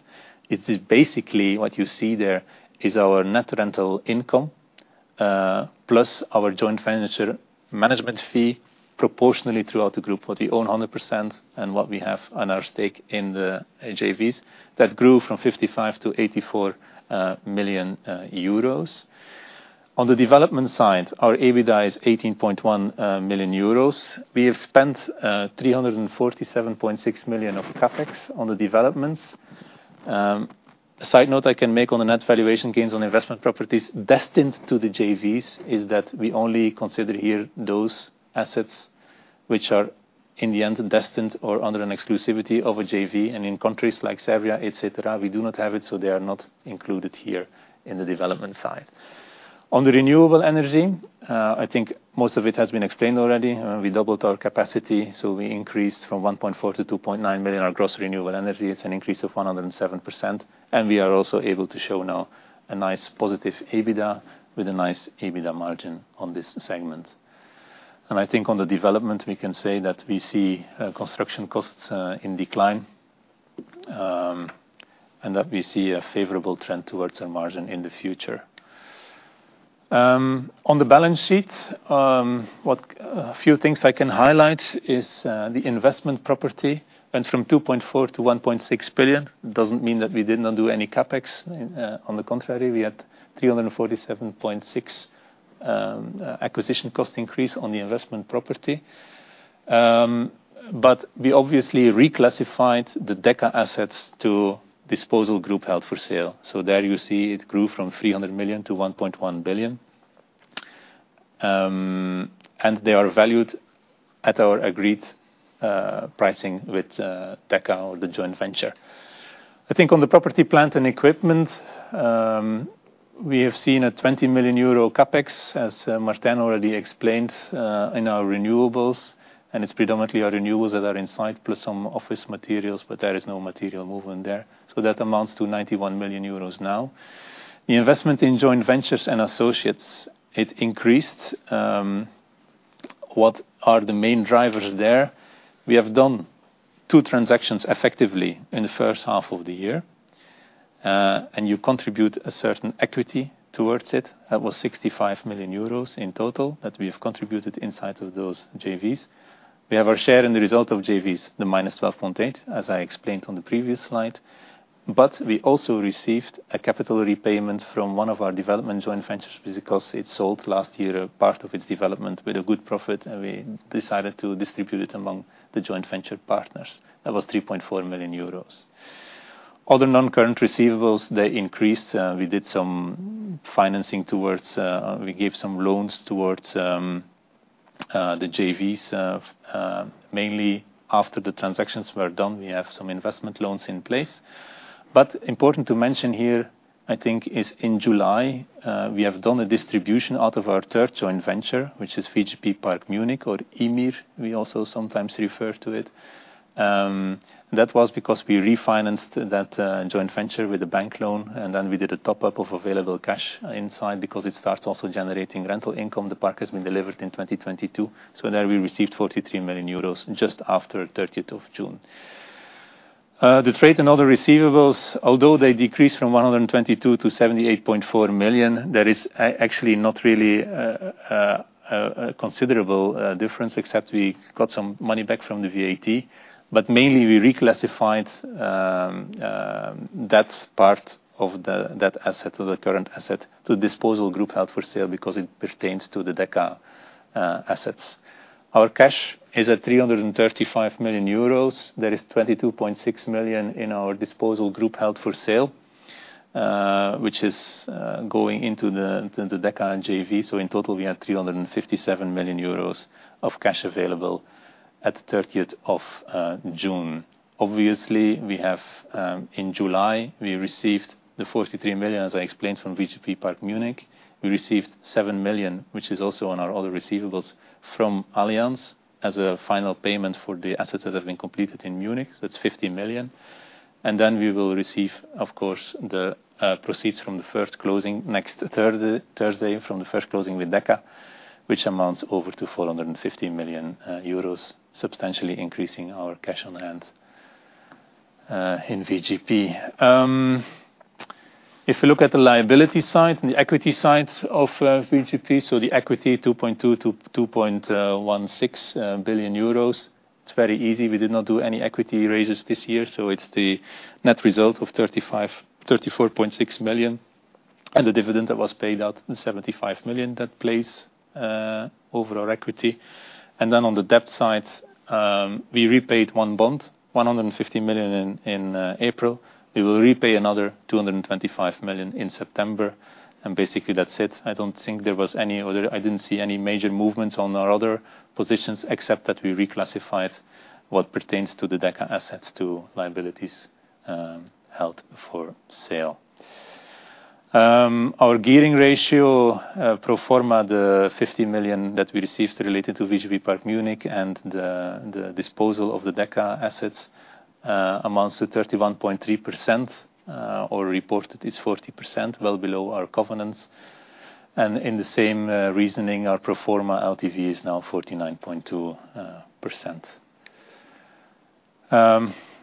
It is basically, what you see there is our net rental income, plus our joint venture management fee proportionally throughout the group for the own hundred percent and what we have on our stake in the JVs. That grew from 55 million to 84 million euros. On the development side, our EBITDA is 18.1 million euros. We have spent 347.6 million of CapEx on the developments. A side note I can make on the net valuation gains on investment properties destined to the JVs is that we only consider here those assets which are in the end destined or under an exclusivity of a JV. In countries like Serbia, et cetera, we do not have it, so they are not included here in the development side. On the renewable energy, I think most of it has been explained already. We doubled our capacity, so we increased from 1.4 billion to 2.9 billion. Our gross renewable energy, it's an increase of 107%, and we are also able to show now a nice positive EBITDA, with a nice EBITDA margin on this segment. And I think on the development, we can say that we see construction costs in decline, and that we see a favorable trend towards our margin in the future. On the balance sheet, what-- A few things I can highlight is, the investment property went from 2.4 billion to 1.6 billion. Doesn't mean that we did not do any CapEx. On the contrary, we had 347.6 million acquisition cost increase on the investment property. But we obviously reclassified the Deka assets to disposal group held for sale. So there you see it grew from 300 million to 1.1 billion. And they are valued at our agreed pricing with Deka or the joint venture. I think on the property, plant and equipment, we have seen a 20 million euro CapEx, as Martijn already explained, in our renewables, and it's predominantly our renewables that are on site, plus some office materials, but there is no material movement there, so that amounts to 91 million euros now. The investment in joint ventures and associates, it increased. What are the main drivers there? We have done 2 transactions effectively in the first half of the year. And you contribute a certain equity towards it. That was 65 million euros in total that we have contributed inside of those JVs. We have our share in the result of JVs, the -12.8 million, as I explained on the previous slide. But we also received a capital repayment from 1 of our development joint ventures, because it sold last year a part of its development with a good profit, and we decided to distribute it among the joint venture partners. That was 3.4 million euros. Other non-current receivables, they increased. We did some financing towards, we gave some loans towards the JVs, mainly after the transactions were done, we have some investment loans in place. But important to mention here, I think, is in July, we have done a distribution out of our third joint venture, which is VGP Park Munich, or Ymir, we also sometimes refer to it. That was because we refinanced that joint venture with a bank loan, and then we did a top-up of available cash inside because it starts also generating rental income. The park has been delivered in 2022, so there we received 43 million euros just after thirtieth of June. The trade and other receivables, although they decreased from 122 million to 78.4 million, that is actually not really a considerable difference, except we got some money back from the VAT. But mainly, we reclassified that part of the, that asset of the current asset to disposal group held for sale because it pertains to the Deka assets. Our cash is at 335 million euros. There is 22.6 million in our disposal group held for sale, which is going into the Deka and JV. So in total, we had 357 million euros of cash available at the 30th of June. Obviously, we have, in July, we received the 43 million, as I explained, from VGP Park Munich. We received 7 million, which is also on our other receivables from Allianz as a final payment for the assets that have been completed in Munich. So it's 50 million. Then we will receive, of course, the proceeds from the first closing next Thursday, from the first closing with Deka, which amounts over to 450 million euros, substantially increasing our cash on hand in VGP. If you look at the liability side and the equity sides of VGP, so the equity, 2.2 billion-2.16 billion euros, it's very easy. We did not do any equity raises this year, so it's the net result of 34.6 million EUR, and the dividend that was paid out, the 75 million that plays over our equity. Then on the debt side, we repaid one bond, 150 million in April. We will repay another 225 million in September, and basically that's it. I don't think there was any other. I didn't see any major movements on our other positions, except that we reclassified what pertains to the Deka assets to liabilities held for sale. Our gearing ratio pro forma, the 50 million that we received related to VGP Park Munich and the disposal of the Deka assets, amounts to 31.3%, or reported is 40%, well below our covenants. In the same reasoning, our pro forma LTV is now 49.2%.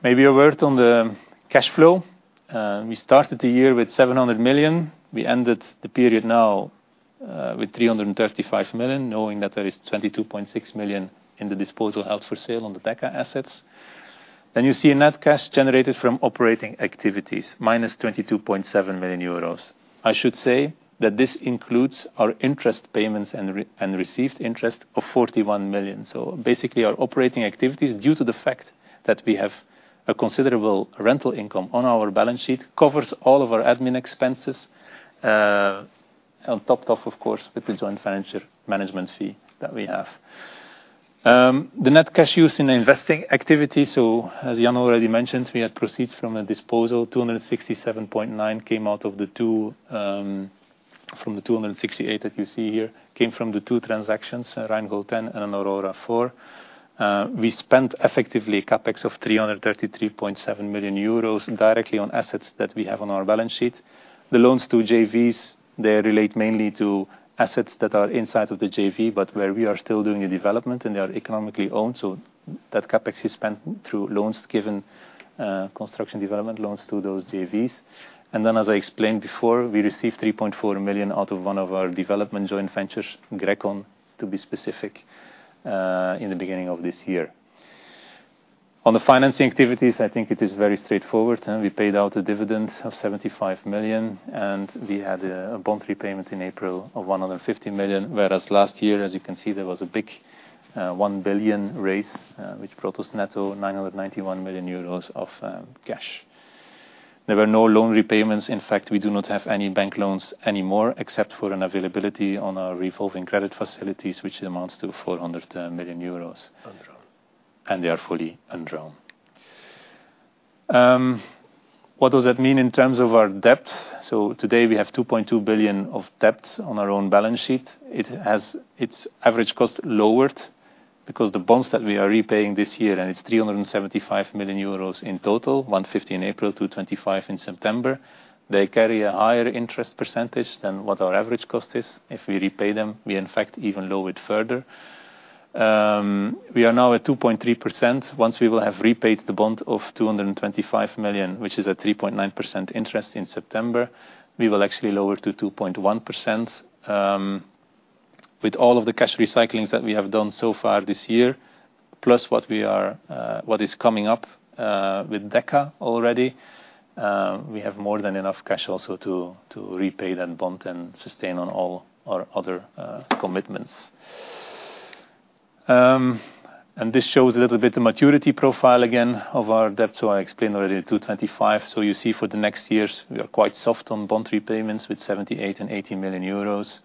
Maybe a word on the cash flow. We started the year with 700 million. We ended the period now with 335 million, knowing that there is 22.6 million in the disposal held for sale on the Deka assets. Then you see a net cash generated from operating activities, -22.7 million euros. I should say that this includes our interest payments and re- and received interest of 41 million. So basically, our operating activities, due to the fact that we have a considerable rental income on our balance sheet, covers all of our admin expenses. And on top of, of course, with the joint venture management fee that we have. The net cash use in investing activity, so as Jan already mentioned, we had proceeds from a disposal, 267.9 came out of the two, from the 268 that you see here, came from the two transactions, Rheingold Ten and Aurora IV. We spent effectively CapEx of 333.7 million euros directly on assets that we have on our balance sheet. The loans to JVs, they relate mainly to assets that are inside of the JV, but where we are still doing a development, and they are economically owned. So that CapEx is spent through loans, given construction development loans to those JVs. And then, as I explained before, we received 3.4 million out of one of our development joint ventures, Grekon, to be specific, in the beginning of this year. On the financing activities, I think it is very straightforward, and we paid out a dividend of 75 million, and we had a bond repayment in April of 150 million. Whereas last year, as you can see, there was a big 1 billion raise, which brought us net to 991 million euros of cash. There were no loan repayments. In fact, we do not have any bank loans anymore, except for an availability on our revolving credit facilities, which amounts to 400 million euros. Undrawn. And they are fully undrawn. What does that mean in terms of our debt? So today, we have 2.2 billion of debt on our own balance sheet. It has its average cost lowered because the bonds that we are repaying this year, and it's 375 million euros in total, 150 million in April, 225 million in September. They carry a higher interest percentage than what our average cost is. If we repay them, we in fact even lower it further. We are now at 2.3%. Once we will have repaid the bond of 225 million, which is at 3.9% interest in September, we will actually lower to 2.1%. With all of the cash recyclings that we have done so far this year, plus what is coming up with Deka already, we have more than enough cash also to repay that bond and sustain on all our other commitments. And this shows a little bit the maturity profile again of our debt. I explained already at 2025, so you see for the next years, we are quite soft on bond repayments with 78 million and 80 million euros.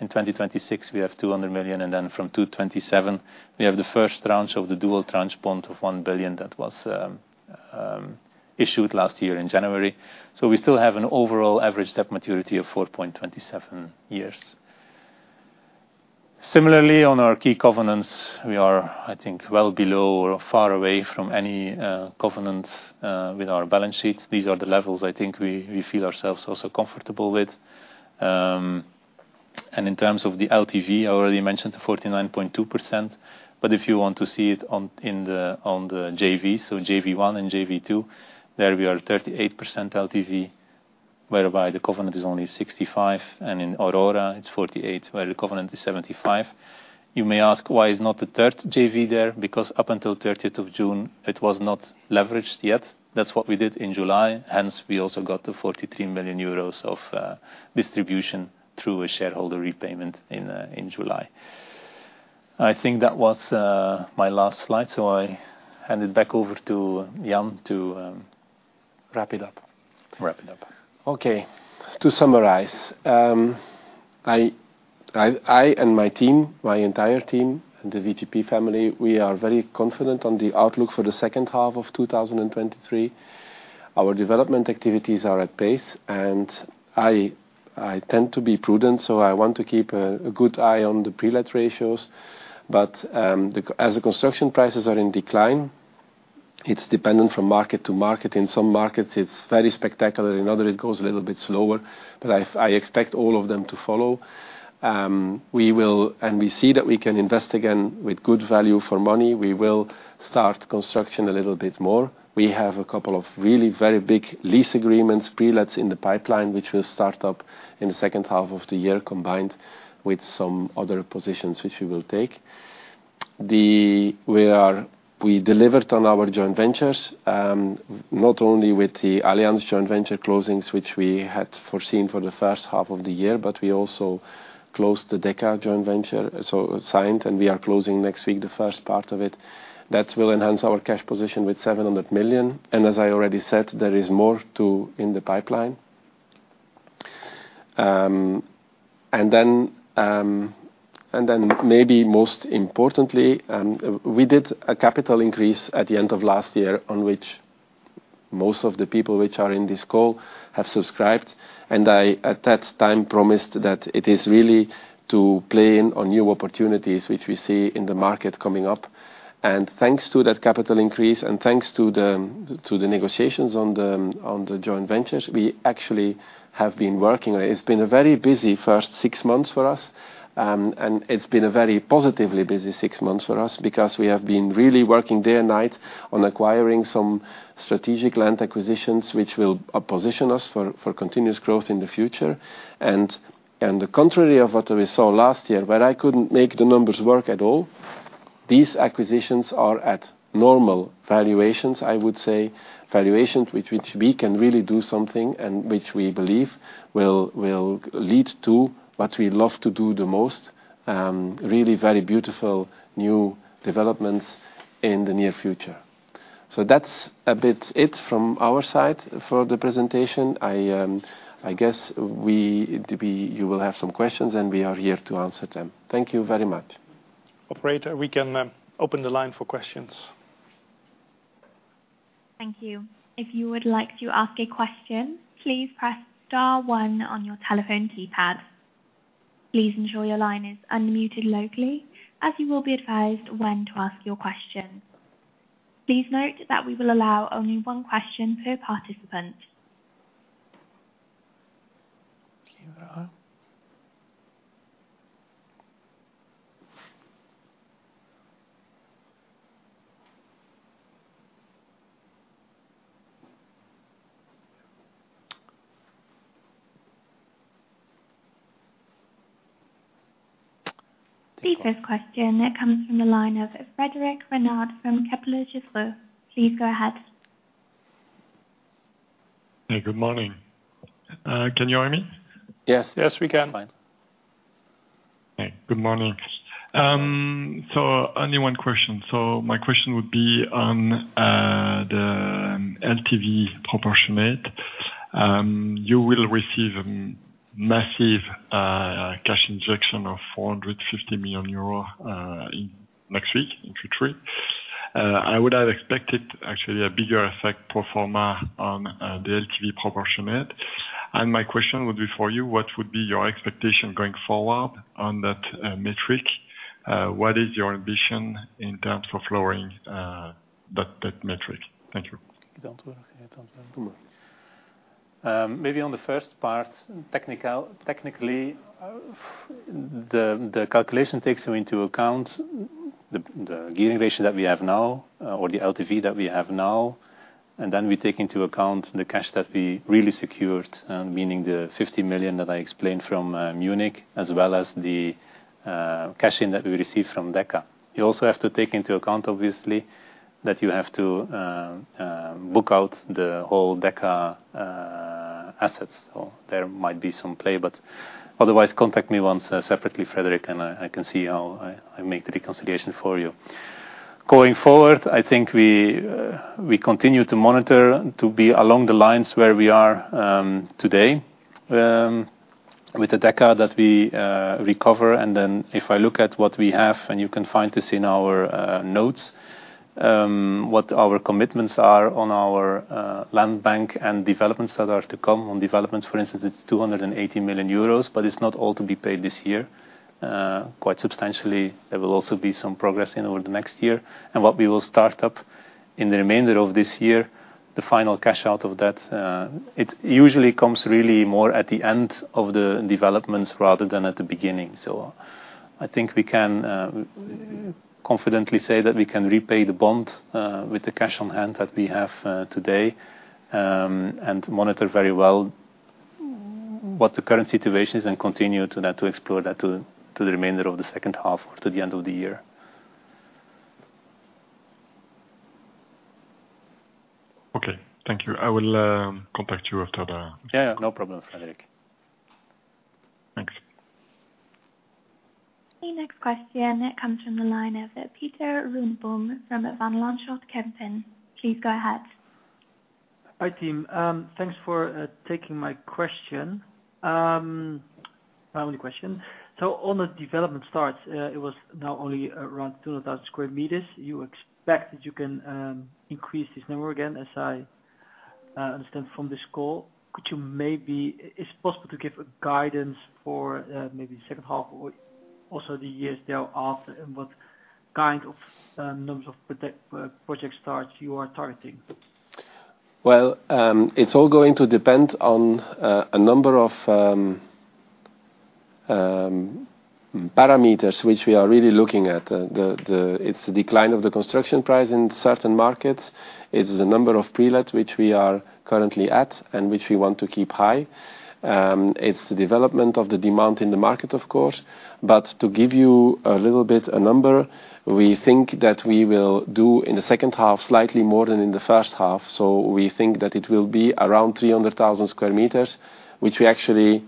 In 2026, we have 200 million, and then from 2027, we have the first tranche of the dual tranche bond of 1 billion that was issued last year in January. So we still have an overall average debt maturity of 4.27 years. Similarly, on our key covenants, we are, I think, well below or far away from any covenants with our balance sheet. These are the levels I think we, we feel ourselves also comfortable with. And in terms of the LTV, I already mentioned the 49.2%, but if you want to see it on, in the, on the JV, so JV One and JV Two, there we are 38% LTV, whereby the covenant is only 65, and in Aurora, it's 48, where the covenant is 75. You may ask: Why is not the third JV there? Because up until thirtieth of June, it was not leveraged yet. That's what we did in July, hence, we also got the 43 million euros of distribution through a shareholder repayment in July. I think that was my last slide, so I hand it back over to Jan to wrap it up. Wrap it up. Okay, to summarize, I and my team, my entire team, the VGP family, we are very confident on the outlook for the second half of 2023. Our development activities are at pace, and I tend to be prudent, so I want to keep a good eye on the pre-let ratios. But, as the construction prices are in decline, it's dependent from market to market. In some markets, it's very spectacular. In others, it goes a little bit slower, but I expect all of them to follow. And we see that we can invest again with good value for money. We will start construction a little bit more. We have a couple of really very big lease agreements, pre-lets, in the pipeline, which will start up in the second half of the year, combined with some other positions which we will take. We delivered on our joint ventures, not only with the Allianz joint venture closings, which we had foreseen for the first half of the year, but we also closed the Deka joint venture, so signed, and we are closing next week, the first part of it. That will enhance our cash position with 700 million, and as I already said, there is more, too, in the pipeline. And then maybe most importantly, we did a capital increase at the end of last year, on which most of the people which are in this call have subscribed. I, at that time, promised that it is really to play in on new opportunities which we see in the market coming up. Thanks to that capital increase, and thanks to the, to the negotiations on the, on the joint ventures, we actually have been working. It's been a very busy first six months for us, and it's been a very positively busy six months for us because we have been really working day and night on acquiring some strategic land acquisitions, which will position us for, for continuous growth in the future. The contrary of what we saw last year, where I couldn't make the numbers work at all, these acquisitions are at normal valuations, I would say, valuations with which we can really do something and which we believe will lead to what we love to do the most, really very beautiful new developments in the near future. So that's a bit it from our side for the presentation. I guess we—you will have some questions, and we are here to answer them. Thank you very much. Operator, we can open the line for questions. Thank you. If you would like to ask a question, please press star one on your telephone keypad. Please ensure your line is unmuted locally, as you will be advised when to ask your question. Please note that we will allow only one question per participant. See you around. Please first question that comes from the line of Frédéric Renard from Kepler Cheuvreux. Please go ahead. Hey, good morning. Can you hear me? Yes. Yes, we can. Hey, good morning. So only one question. So my question would be on, the LTV proportionate. You will receive a massive, cash injection of 450 million euro, in next week, in Q3. I would have expected actually a bigger effect pro forma on, the LTV proportionate. And my question would be for you: what would be your expectation going forward on that, metric? What is your ambition in terms of lowering, that, that metric? Thank you. Maybe on the first part, technically, the calculation takes into account the gearing ratio that we have now, or the LTV that we have now, and then we take into account the cash that we really secured, meaning the 50 million that I explained from Munich, as well as the cash-in that we received from Deka. You also have to take into account, obviously, that you have to book out the whole Deka assets. So there might be some play, but otherwise, contact me once separately, Frederick, and I can see how I make the reconciliation for you. Going forward, I think we continue to monitor, to be along the lines where we are today, with the Deka that we recover. Then if I look at what we have, and you can find this in our notes, what our commitments are on our land bank and developments that are to come. On developments, for instance, it's 280 million euros, but it's not all to be paid this year. Quite substantially, there will also be some progress in over the next year. And what we will start up in the remainder of this year, the final cash out of that, it usually comes really more at the end of the developments rather than at the beginning. I think we can confidently say that we can repay the bond with the cash on hand that we have today, and monitor very well what the current situation is and continue to that, to explore that to, to the remainder of the second half or to the end of the year. Okay. Thank you. I will contact you after the- Yeah, no problem, Frederick. Thanks. The next question that comes from the line of Pieter Runneboom from Van Lanschot Kempen. Please go ahead. Hi, team. Thanks for taking my question. My only question: so on the development starts, it was now only around 2,000 sq m. You expect that you can increase this number again, as I understand from this call. Could you maybe... Is it possible to give a guidance for maybe second half or also the years thereafter, and what kind of numbers of project project start you are targeting? Well, it's all going to depend on a number of parameters, which we are really looking at. It's the decline of the construction price in certain markets. It's the number of pre-let which we are currently at and which we want to keep high. It's the development of the demand in the market, of course. But to give you a little bit a number, we think that we will do in the second half, slightly more than in the first half. So we think that it will be around 300,000 sq m, which we actually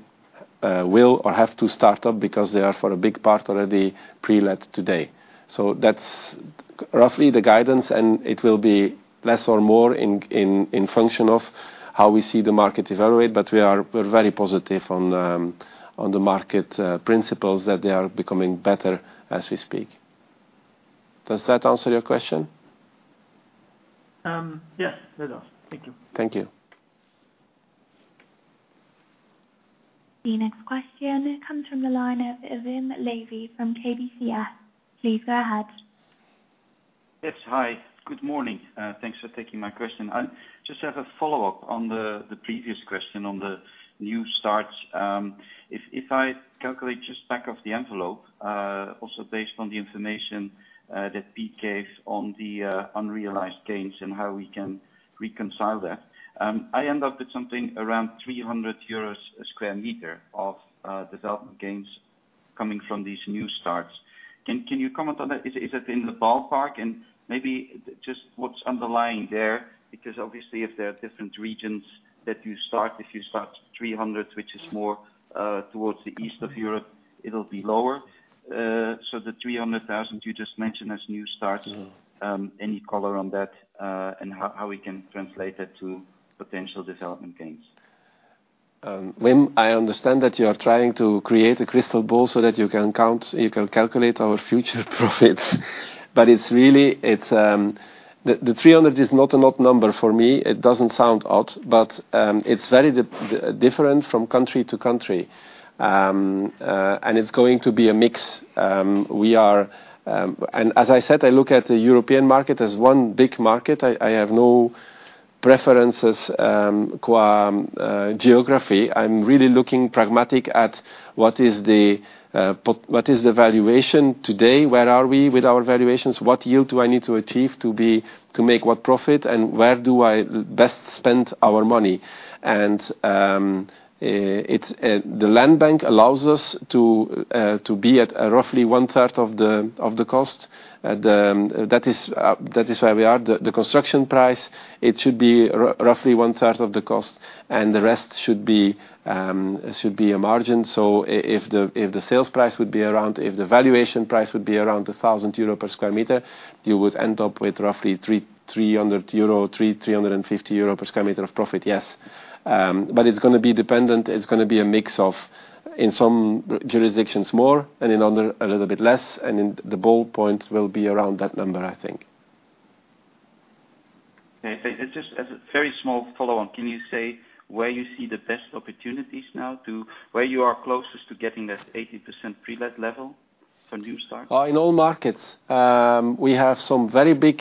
will or have to start up because they are for a big part already pre-let today. So that's roughly the guidance, and it will be less or more in function of how we see the market evaluate, but we're very positive on the market principles, that they are becoming better as we speak. Does that answer your question? Yes, it does. Thank you. Thank you. The next question comes from the line of Wim Lewi from KBCS. Please go ahead. Yes. Hi, good morning. Thanks for taking my question. I just have a follow-up on the previous question, on the new starts. If I calculate just back of the envelope, also based on the information that Piet gave on the unrealized gains and how we can reconcile that, I end up with something around 300 euros a square meter of development gains coming from these new starts. Can you comment on that? Is that in the ballpark? And maybe just what's underlying there, because obviously if there are different regions that you start, if you start 300, which is more towards the east of Europe, it'll be lower. So the 300,000 you just mentioned as new starts- Any color on that, and how we can translate that to potential development gains? When I understand that you are trying to create a crystal ball so that you can count, you can calculate our future profits. But it's really, it's the 300 is not an odd number for me. It doesn't sound odd, but it's very different from country to country. And it's going to be a mix. We are, and as I said, I look at the European market as one big market. I, I have no preferences, qua geography. I'm really looking pragmatic at what is the, what is the valuation today? Where are we with our valuations? What yield do I need to achieve to be, to make what profit, and where do I best spend our money? It's the land bank allows us to be at roughly one third of the cost. That is where we are. The construction price, it should be roughly one third of the cost, and the rest should be a margin. So if the valuation price would be around 1,000 euro per square meter, you would end up with roughly 300 euro, 350 euro per square meter of profit, yes. But it's gonna be dependent, it's gonna be a mix of, in some jurisdictions more, and in other, a little bit less, and in the bold points will be around that number, I think. Okay. Just as a very small follow-on, can you say where you see the best opportunities now to where you are closest to getting that 80% pre-let level when you start? In all markets. We have some very big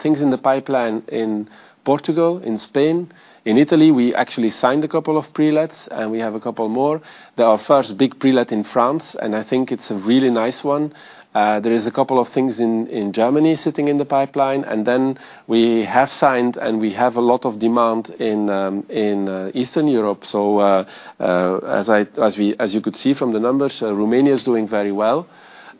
things in the pipeline in Portugal, in Spain. In Italy, we actually signed a couple of pre-lets, and we have a couple more. There are first big pre-let in France, and I think it's a really nice one. There is a couple of things in Germany sitting in the pipeline, and then we have signed, and we have a lot of demand in Eastern Europe. As you could see from the numbers, Romania is doing very well.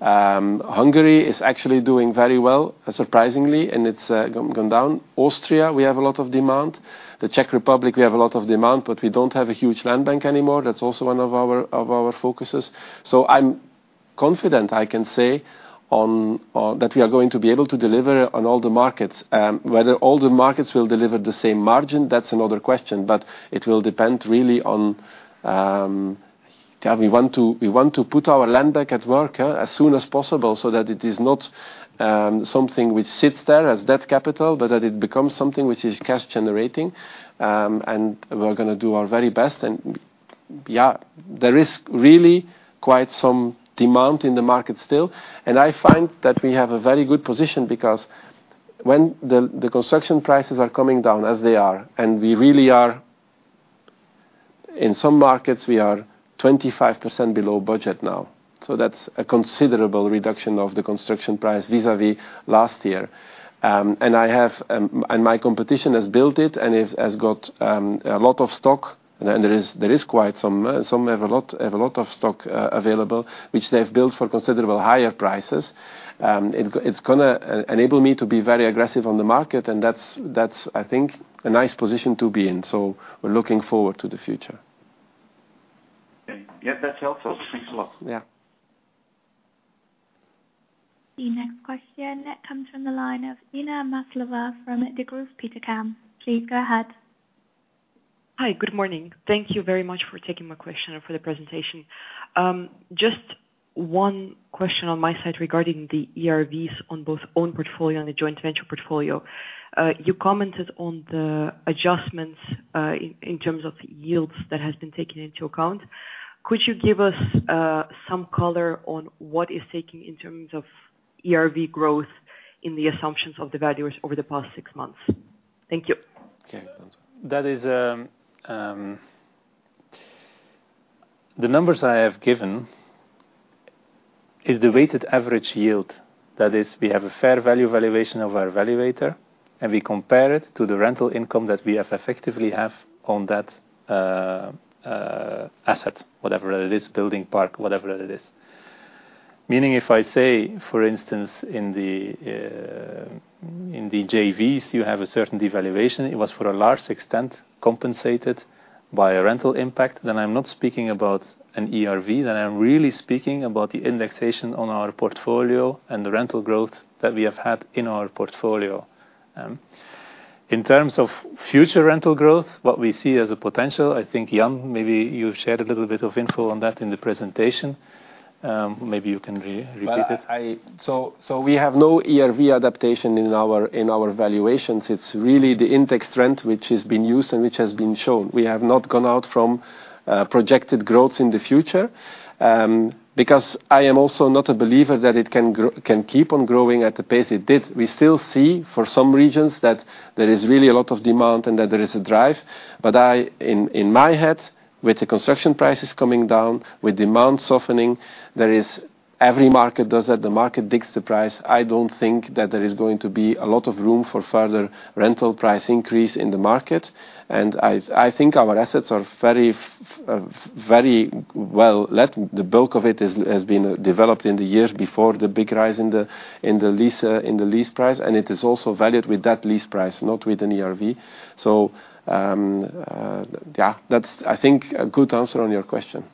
Hungary is actually doing very well, surprisingly, and it's gone down. Austria, we have a lot of demand. The Czech Republic, we have a lot of demand, but we don't have a huge land bank anymore. That's also one of our focuses. So I'm confident, I can say, that we are going to be able to deliver on all the markets. Whether all the markets will deliver the same margin, that's another question, but it will depend really on, yeah, we want to, we want to put our land bank at work, as soon as possible so that it is not, something which sits there as debt capital, but that it becomes something which is cash generating. And we're gonna do our very best. And, yeah, there is really quite some demand in the market still. And I find that we have a very good position because when the construction prices are coming down as they are, and we really are, in some markets, we are 25% below budget now. So that's a considerable reduction of the construction price vis-à-vis last year. And my competition has built it and has got a lot of stock. And then there is quite some; some have a lot of stock available, which they've built for considerably higher prices. It's gonna enable me to be very aggressive on the market, and that's, I think, a nice position to be in. So we're looking forward to the future. Okay. Yep, that helps us. Thanks a lot. Yeah. The next question comes from the line of Inna Maslova from the group, VTB Capital. Please go ahead. Hi, good morning. Thank you very much for taking my question and for the presentation. Just one question on my side regarding the ERVs on both own portfolio and the joint venture portfolio. You commented on the adjustments in terms of yields that has been taken into account. Could you give us some color on what is taking in terms of ERV growth in the assumptions of the valuers over the past six months? Thank you. Okay. That is, the numbers I have given is the weighted average yield. That is, we have a fair value valuation of our valuator, and we compare it to the rental income that we effectively have on that asset, whatever it is, building, park, whatever it is. Meaning, if I say, for instance, in the JVs, you have a certain devaluation, it was for a large extent compensated by a rental impact, then I'm not speaking about an ERV, then I'm really speaking about the indexation on our portfolio and the rental growth that we have had in our portfolio. In terms of future rental growth, what we see as a potential, I think, Jan, maybe you shared a little bit of info on that in the presentation. Maybe you can repeat it. Well, so we have no ERV adaptation in our valuations. It's really the index trend which has been used and which has been shown. We have not gone out from projected growth in the future, because I am also not a believer that it can keep on growing at the pace it did. We still see, for some regions, that there is really a lot of demand and that there is a drive. But in my head, with the construction prices coming down, with demand softening, there is... Every market does that, the market digs the price. I don't think that there is going to be a lot of room for further rental price increase in the market. And I think our assets are very well let. The bulk of it has been developed in the years before the big rise in the lease price, and it is also valued with that lease price, not with an ERV. So, yeah, that's, I think, a good answer on your question.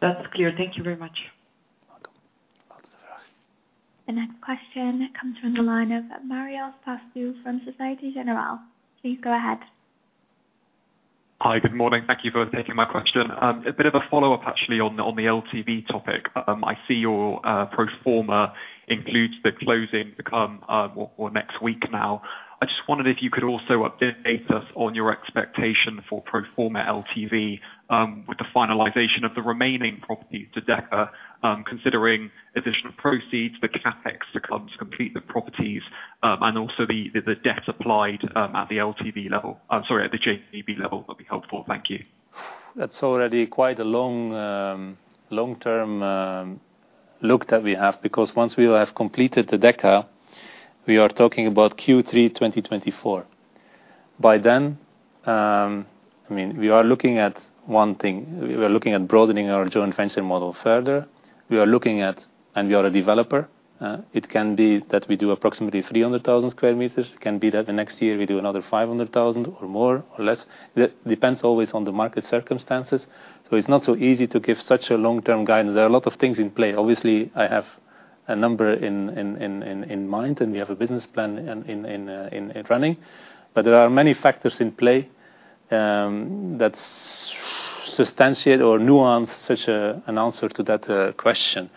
That's clear. Thank you very much. Welcome. The next question comes from the line of Marios Pastou from Société Générale. Please go ahead. Hi, good morning. Thank you for taking my question. A bit of a follow-up, actually, on the LTV topic. I see your pro forma includes the closing to come, well, next week now. I just wondered if you could also update us on your expectation for pro forma LTV, with the finalization of the remaining properties to Deka, considering additional proceeds, the CapEx to come to complete the properties, and also the debt applied, at the LTV level, sorry, at the JV level would be helpful. Thank you. That's already quite a long long-term look that we have, because once we have completed the Deka, we are talking about Q3 2024. By then, I mean, we are looking at one thing. We are looking at broadening our joint venture model further. We are looking at... And we are a developer, it can be that we do approximately 300,000 sq m. It can be that the next year we do another 500,000 or more or less. That depends always on the market circumstances. So it's not so easy to give such a long-term guidance. There are a lot of things in play. Obviously, I have a number in mind, and we have a business plan in running. But there are many factors in play that substantiate or nuance such an answer to that question.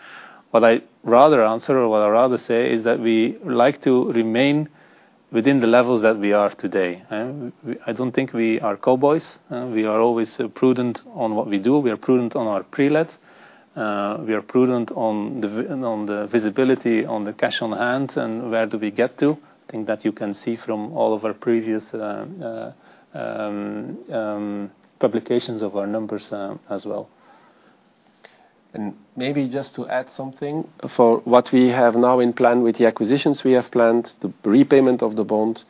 What I'd rather answer or what I'd rather say is that we like to remain within the levels that we are today. I don't think we are cowboys. We are always prudent on what we do. We are prudent on our pre-let. We are prudent on the visibility, on the cash on hand, and where do we get to. I think that you can see from all of our previous publications of our numbers, as well. Maybe just to add something, for what we have now in plan with the acquisitions we have planned, the repayment of the bond,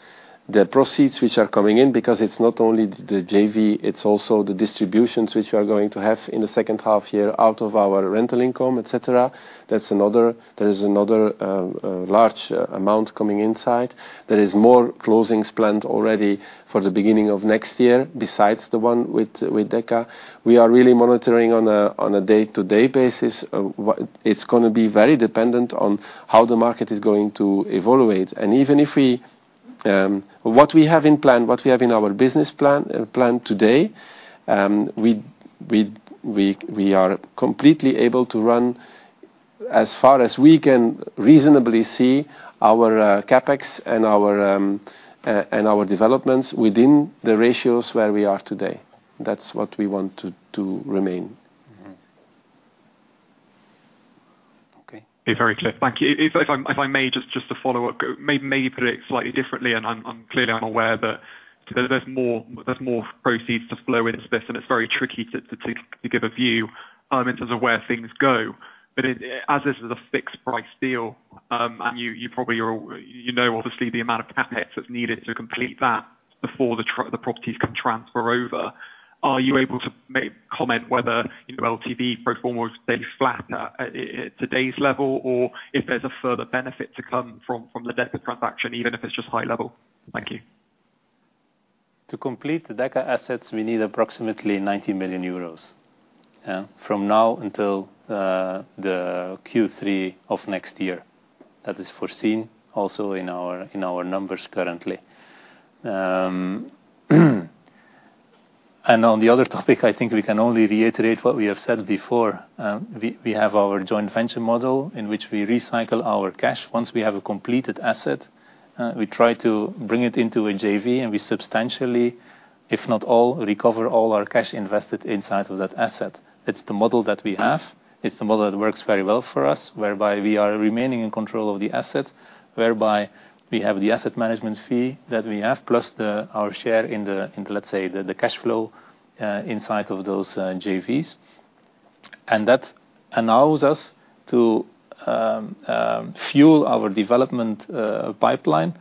the proceeds which are coming in, because it's not only the JV, it's also the distributions which we are going to have in the second half year out of our rental income, etc. That's another—there is another large amount coming inside. There is more closings planned already for the beginning of next year, besides the one with Deka. We are really monitoring on a day-to-day basis. It's gonna be very dependent on how the market is going to evaluate. Even if we, what we have in our business plan today, we are completely able to run, as far as we can reasonably see, our CapEx and our developments within the ratios where we are today. That's what we want to remain. Okay. Be very clear. Thank you. If I may just to follow up, maybe put it slightly differently, and I'm clearly aware that there's more proceeds to flow in this, and it's very tricky to give a view in terms of where things go. But as this is a fixed price deal, and you probably are, you know, obviously, the amount of CapEx that's needed to complete that before the properties can transfer over, are you able to make comment whether, you know, LTV pro forma will stay flat at today's level, or if there's a further benefit to come from the Deka transaction, even if it's just high level? Thank you. To complete the Deka assets, we need approximately 90 million euros from now until the Q3 of next year. That is foreseen also in our, in our numbers currently. And on the other topic, I think we can only reiterate what we have said before. We, we have our joint venture model, in which we recycle our cash. Once we have a completed asset, we try to bring it into a JV, and we substantially, if not all, recover all our cash invested inside of that asset. It's the model that we have. It's the model that works very well for us, whereby we are remaining in control of the asset, whereby we have the asset management fee that we have, plus the, our share in the, in, let's say, the, the cash flow inside of those JVs. That allows us to fuel our development pipeline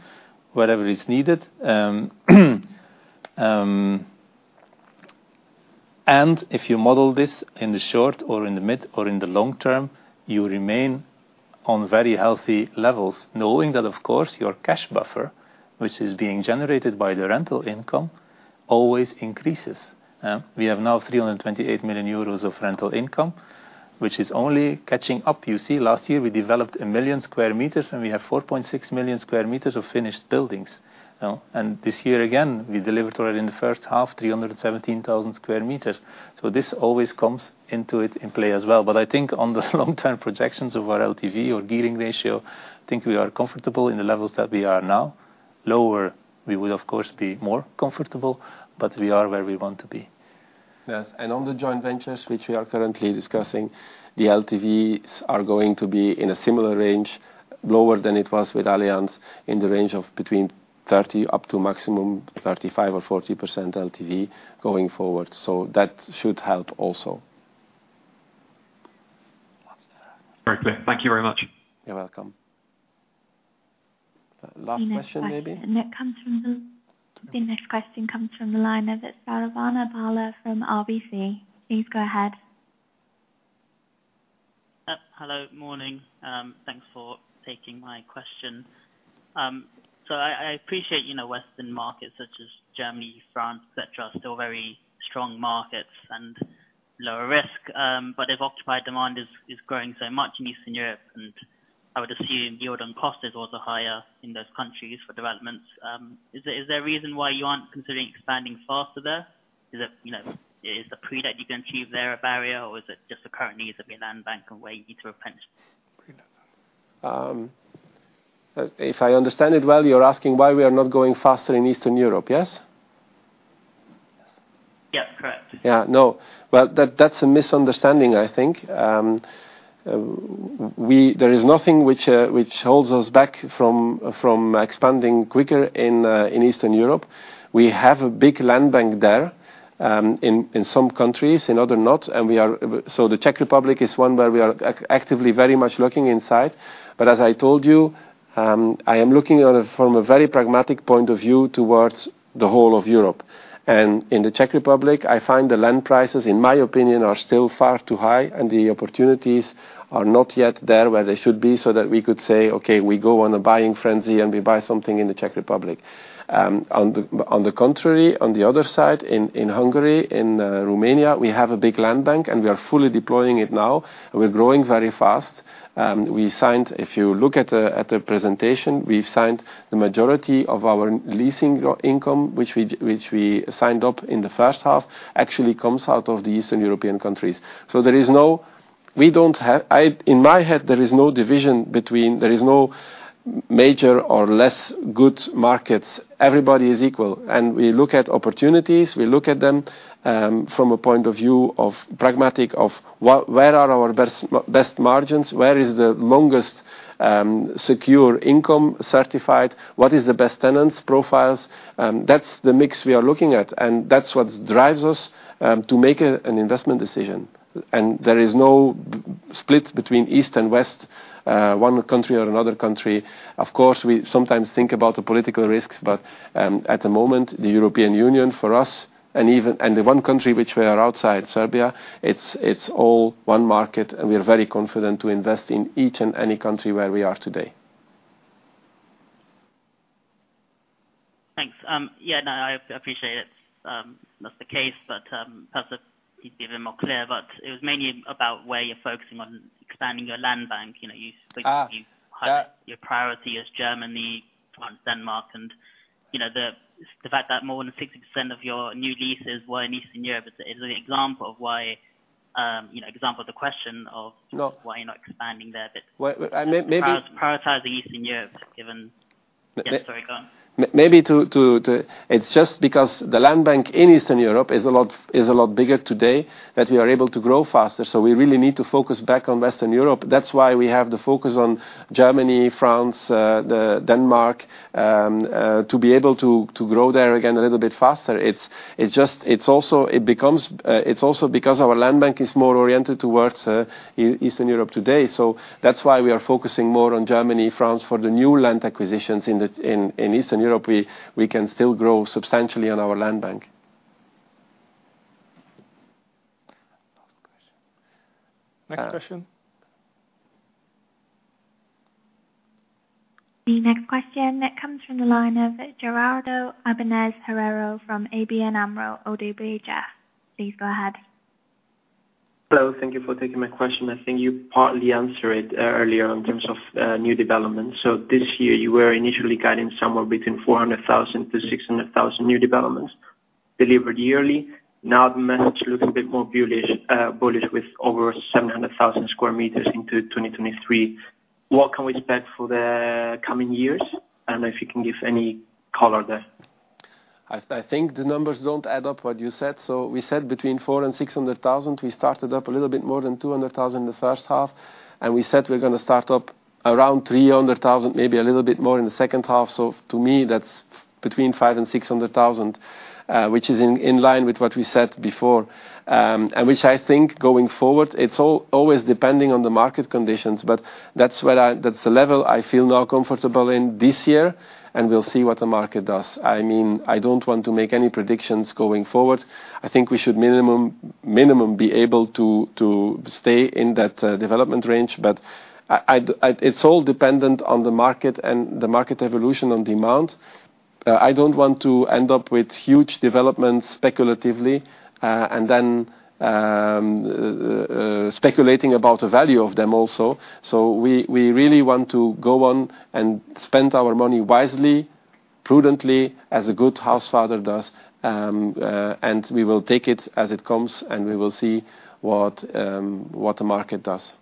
wherever it's needed. And if you model this in the short or in the mid or in the long term, you remain on very healthy levels, knowing that, of course, your cash buffer, which is being generated by the rental income, always increases. We have now 328 million euros of rental income, which is only catching up. You see, last year, we developed 1 million sqm, and we have 4.6 million sqm of finished buildings. And this year, again, we delivered already in the first half, 317,000 sqm. So this always comes into it in play as well. But I think on the long-term projections of our LTV or gearing ratio, I think we are comfortable in the levels that we are now. Lower, we will, of course, be more comfortable, but we are where we want to be. Yes, and on the joint ventures, which we are currently discussing, the LTVs are going to be in a similar range, lower than it was with Allianz, in the range of between 30 up to maximum 35 or 40% LTV going forward. So that should help also. Very clear. Thank you very much. You're welcome. Last question, maybe? The next question, the next question comes from the line of Saravana Bala from RBC. Please go ahead. Hello, morning. Thanks for taking my question. So I appreciate, you know, Western markets such as Germany, France, et cetera, are still very strong markets and lower risk. But if occupier demand is growing so much in Eastern Europe, and I would assume yield on cost is also higher in those countries for developments, is there a reason why you aren't considering expanding faster there? Is it, you know, the pre-let you can achieve there a barrier, or is it just the current needs of your land bank and where you need to replenish? If I understand it well, you're asking why we are not going faster in Eastern Europe, yes? Yes, correct. Yeah, no. Well, that, that's a misunderstanding, I think. There is nothing which holds us back from expanding quicker in Eastern Europe. We have a big land bank there, in some countries, in others not, and we are... So the Czech Republic is one where we are actively very much looking inside. But as I told you, I am looking at it from a very pragmatic point of view towards the whole of Europe. In the Czech Republic, I find the land prices, in my opinion, are still far too high, and the opportunities are not yet there where they should be, so that we could say, "Okay, we go on a buying frenzy, and we buy something in the Czech Republic." On the contrary, on the other side, in Hungary, in Romania, we have a big land bank, and we are fully deploying it now. We're growing very fast. We signed. If you look at the presentation, we've signed the majority of our leasing income, which we signed up in the first half, actually comes out of the Eastern European countries. So there is no division between. There is no major or less good markets. Everybody is equal. We look at opportunities, we look at them from a point of view of pragmatic, of where are our best margins? Where is the longest secure income certified? What is the best tenants profiles? That's the mix we are looking at, and that's what drives us to make an investment decision. There is no split between East and West, one country or another country. Of course, we sometimes think about the political risks, but at the moment, the European Union, for us, and the one country which we are outside, Serbia, it's all one market, and we are very confident to invest in each and any country where we are today. Thanks. Yeah, no, I appreciate it. That's the case, but, as it's even more clear, but it was mainly about where you're focusing on expanding your land bank. You know, you- Ah, yeah. Your priority is Germany and Denmark, and, you know, the fact that more than 60% of your new leases were in Eastern Europe is an example of why, you know, example of the question of- No. why you're not expanding there, but Well, I maybe- Prioritizing Eastern Europe, given... Yes, sorry, go on. Maybe to... It's just because the land bank in Eastern Europe is a lot bigger today, that we are able to grow faster. So we really need to focus back on Western Europe. That's why we have the focus on Germany, France, Denmark, to be able to grow there again a little bit faster. It's just... It's also because our land bank is more oriented towards Eastern Europe today. So that's why we are focusing more on Germany, France. For the new land acquisitions in Eastern Europe, we can still grow substantially on our land bank. Last question. Next question? The next question comes from the line of Gerardo Abanez Herrero from ABN AMRO ODDO. Please go ahead. Hello. Thank you for taking my question. I think you partly answered it earlier in terms of new developments. So this year, you were initially guiding somewhere between 400,000-600,000 new developments delivered yearly. Now the management looks a bit more bullish with over 700,000 sq m in 2023. What can we expect for the coming years? And if you can give any color there. I think the numbers don't add up, what you said. So we said between 400,000 and 600,000. We started up a little bit more than 200,000 in the first half, and we said we're gonna start up around 300,000, maybe a little bit more in the second half. So to me, that's between 500,000 and 600,000, which is in line with what we said before. And which I think, going forward, it's always depending on the market conditions, but that's where that's the level I feel now comfortable in this year, and we'll see what the market does. I mean, I don't want to make any predictions going forward. I think we should minimum be able to stay in that development range, but I... It's all dependent on the market and the market evolution on demand. I don't want to end up with huge developments speculatively, and then, speculating about the value of them also. So we, we really want to go on and spend our money wisely, prudently, as a good house father does, and we will take it as it comes, and we will see what, what the market does.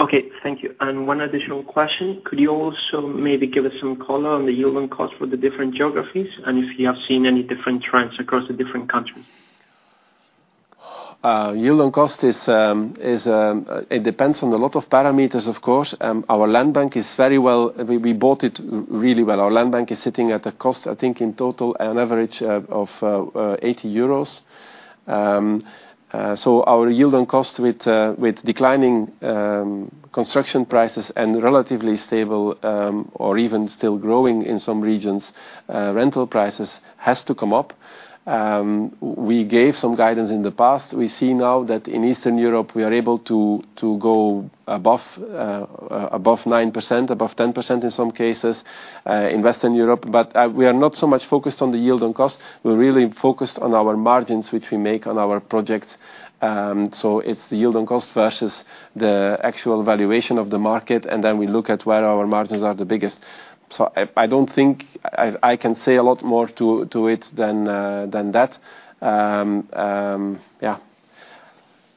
Okay, thank you. One additional question: Could you also maybe give us some color on the yield on cost for the different geographies, and if you have seen any different trends across the different countries? Yield on cost is, it depends on a lot of parameters, of course. Our land bank is very well... We bought it really well. Our land bank is sitting at a cost, I think, in total, an average, of 80 euros. So our yield on cost with declining construction prices and relatively stable, or even still growing in some regions, rental prices has to come up. We gave some guidance in the past. We see now that in Eastern Europe, we are able to go above 9%, above 10% in some cases, in Western Europe. But we are not so much focused on the yield on cost. We're really focused on our margins, which we make on our project. So it's the yield on cost versus the actual valuation of the market, and then we look at where our margins are the biggest. So I don't think I can say a lot more to it than that. Yeah.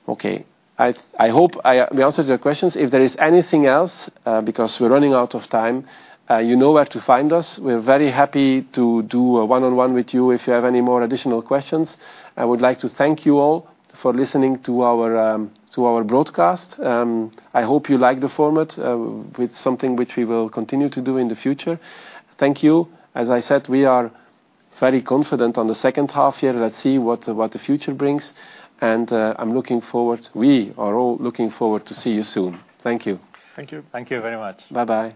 Okay, I hope we answered your questions. If there is anything else, because we're running out of time, you know where to find us. We are very happy to do a one-on-one with you if you have any more additional questions. I would like to thank you all for listening to our broadcast. I hope you like the format with something which we will continue to do in the future. Thank you. As I said, we are very confident on the second half year. Let's see what the future brings, and I'm looking forward, we are all looking forward to see you soon. Thank you. Thank you. Thank you very much. Bye-bye.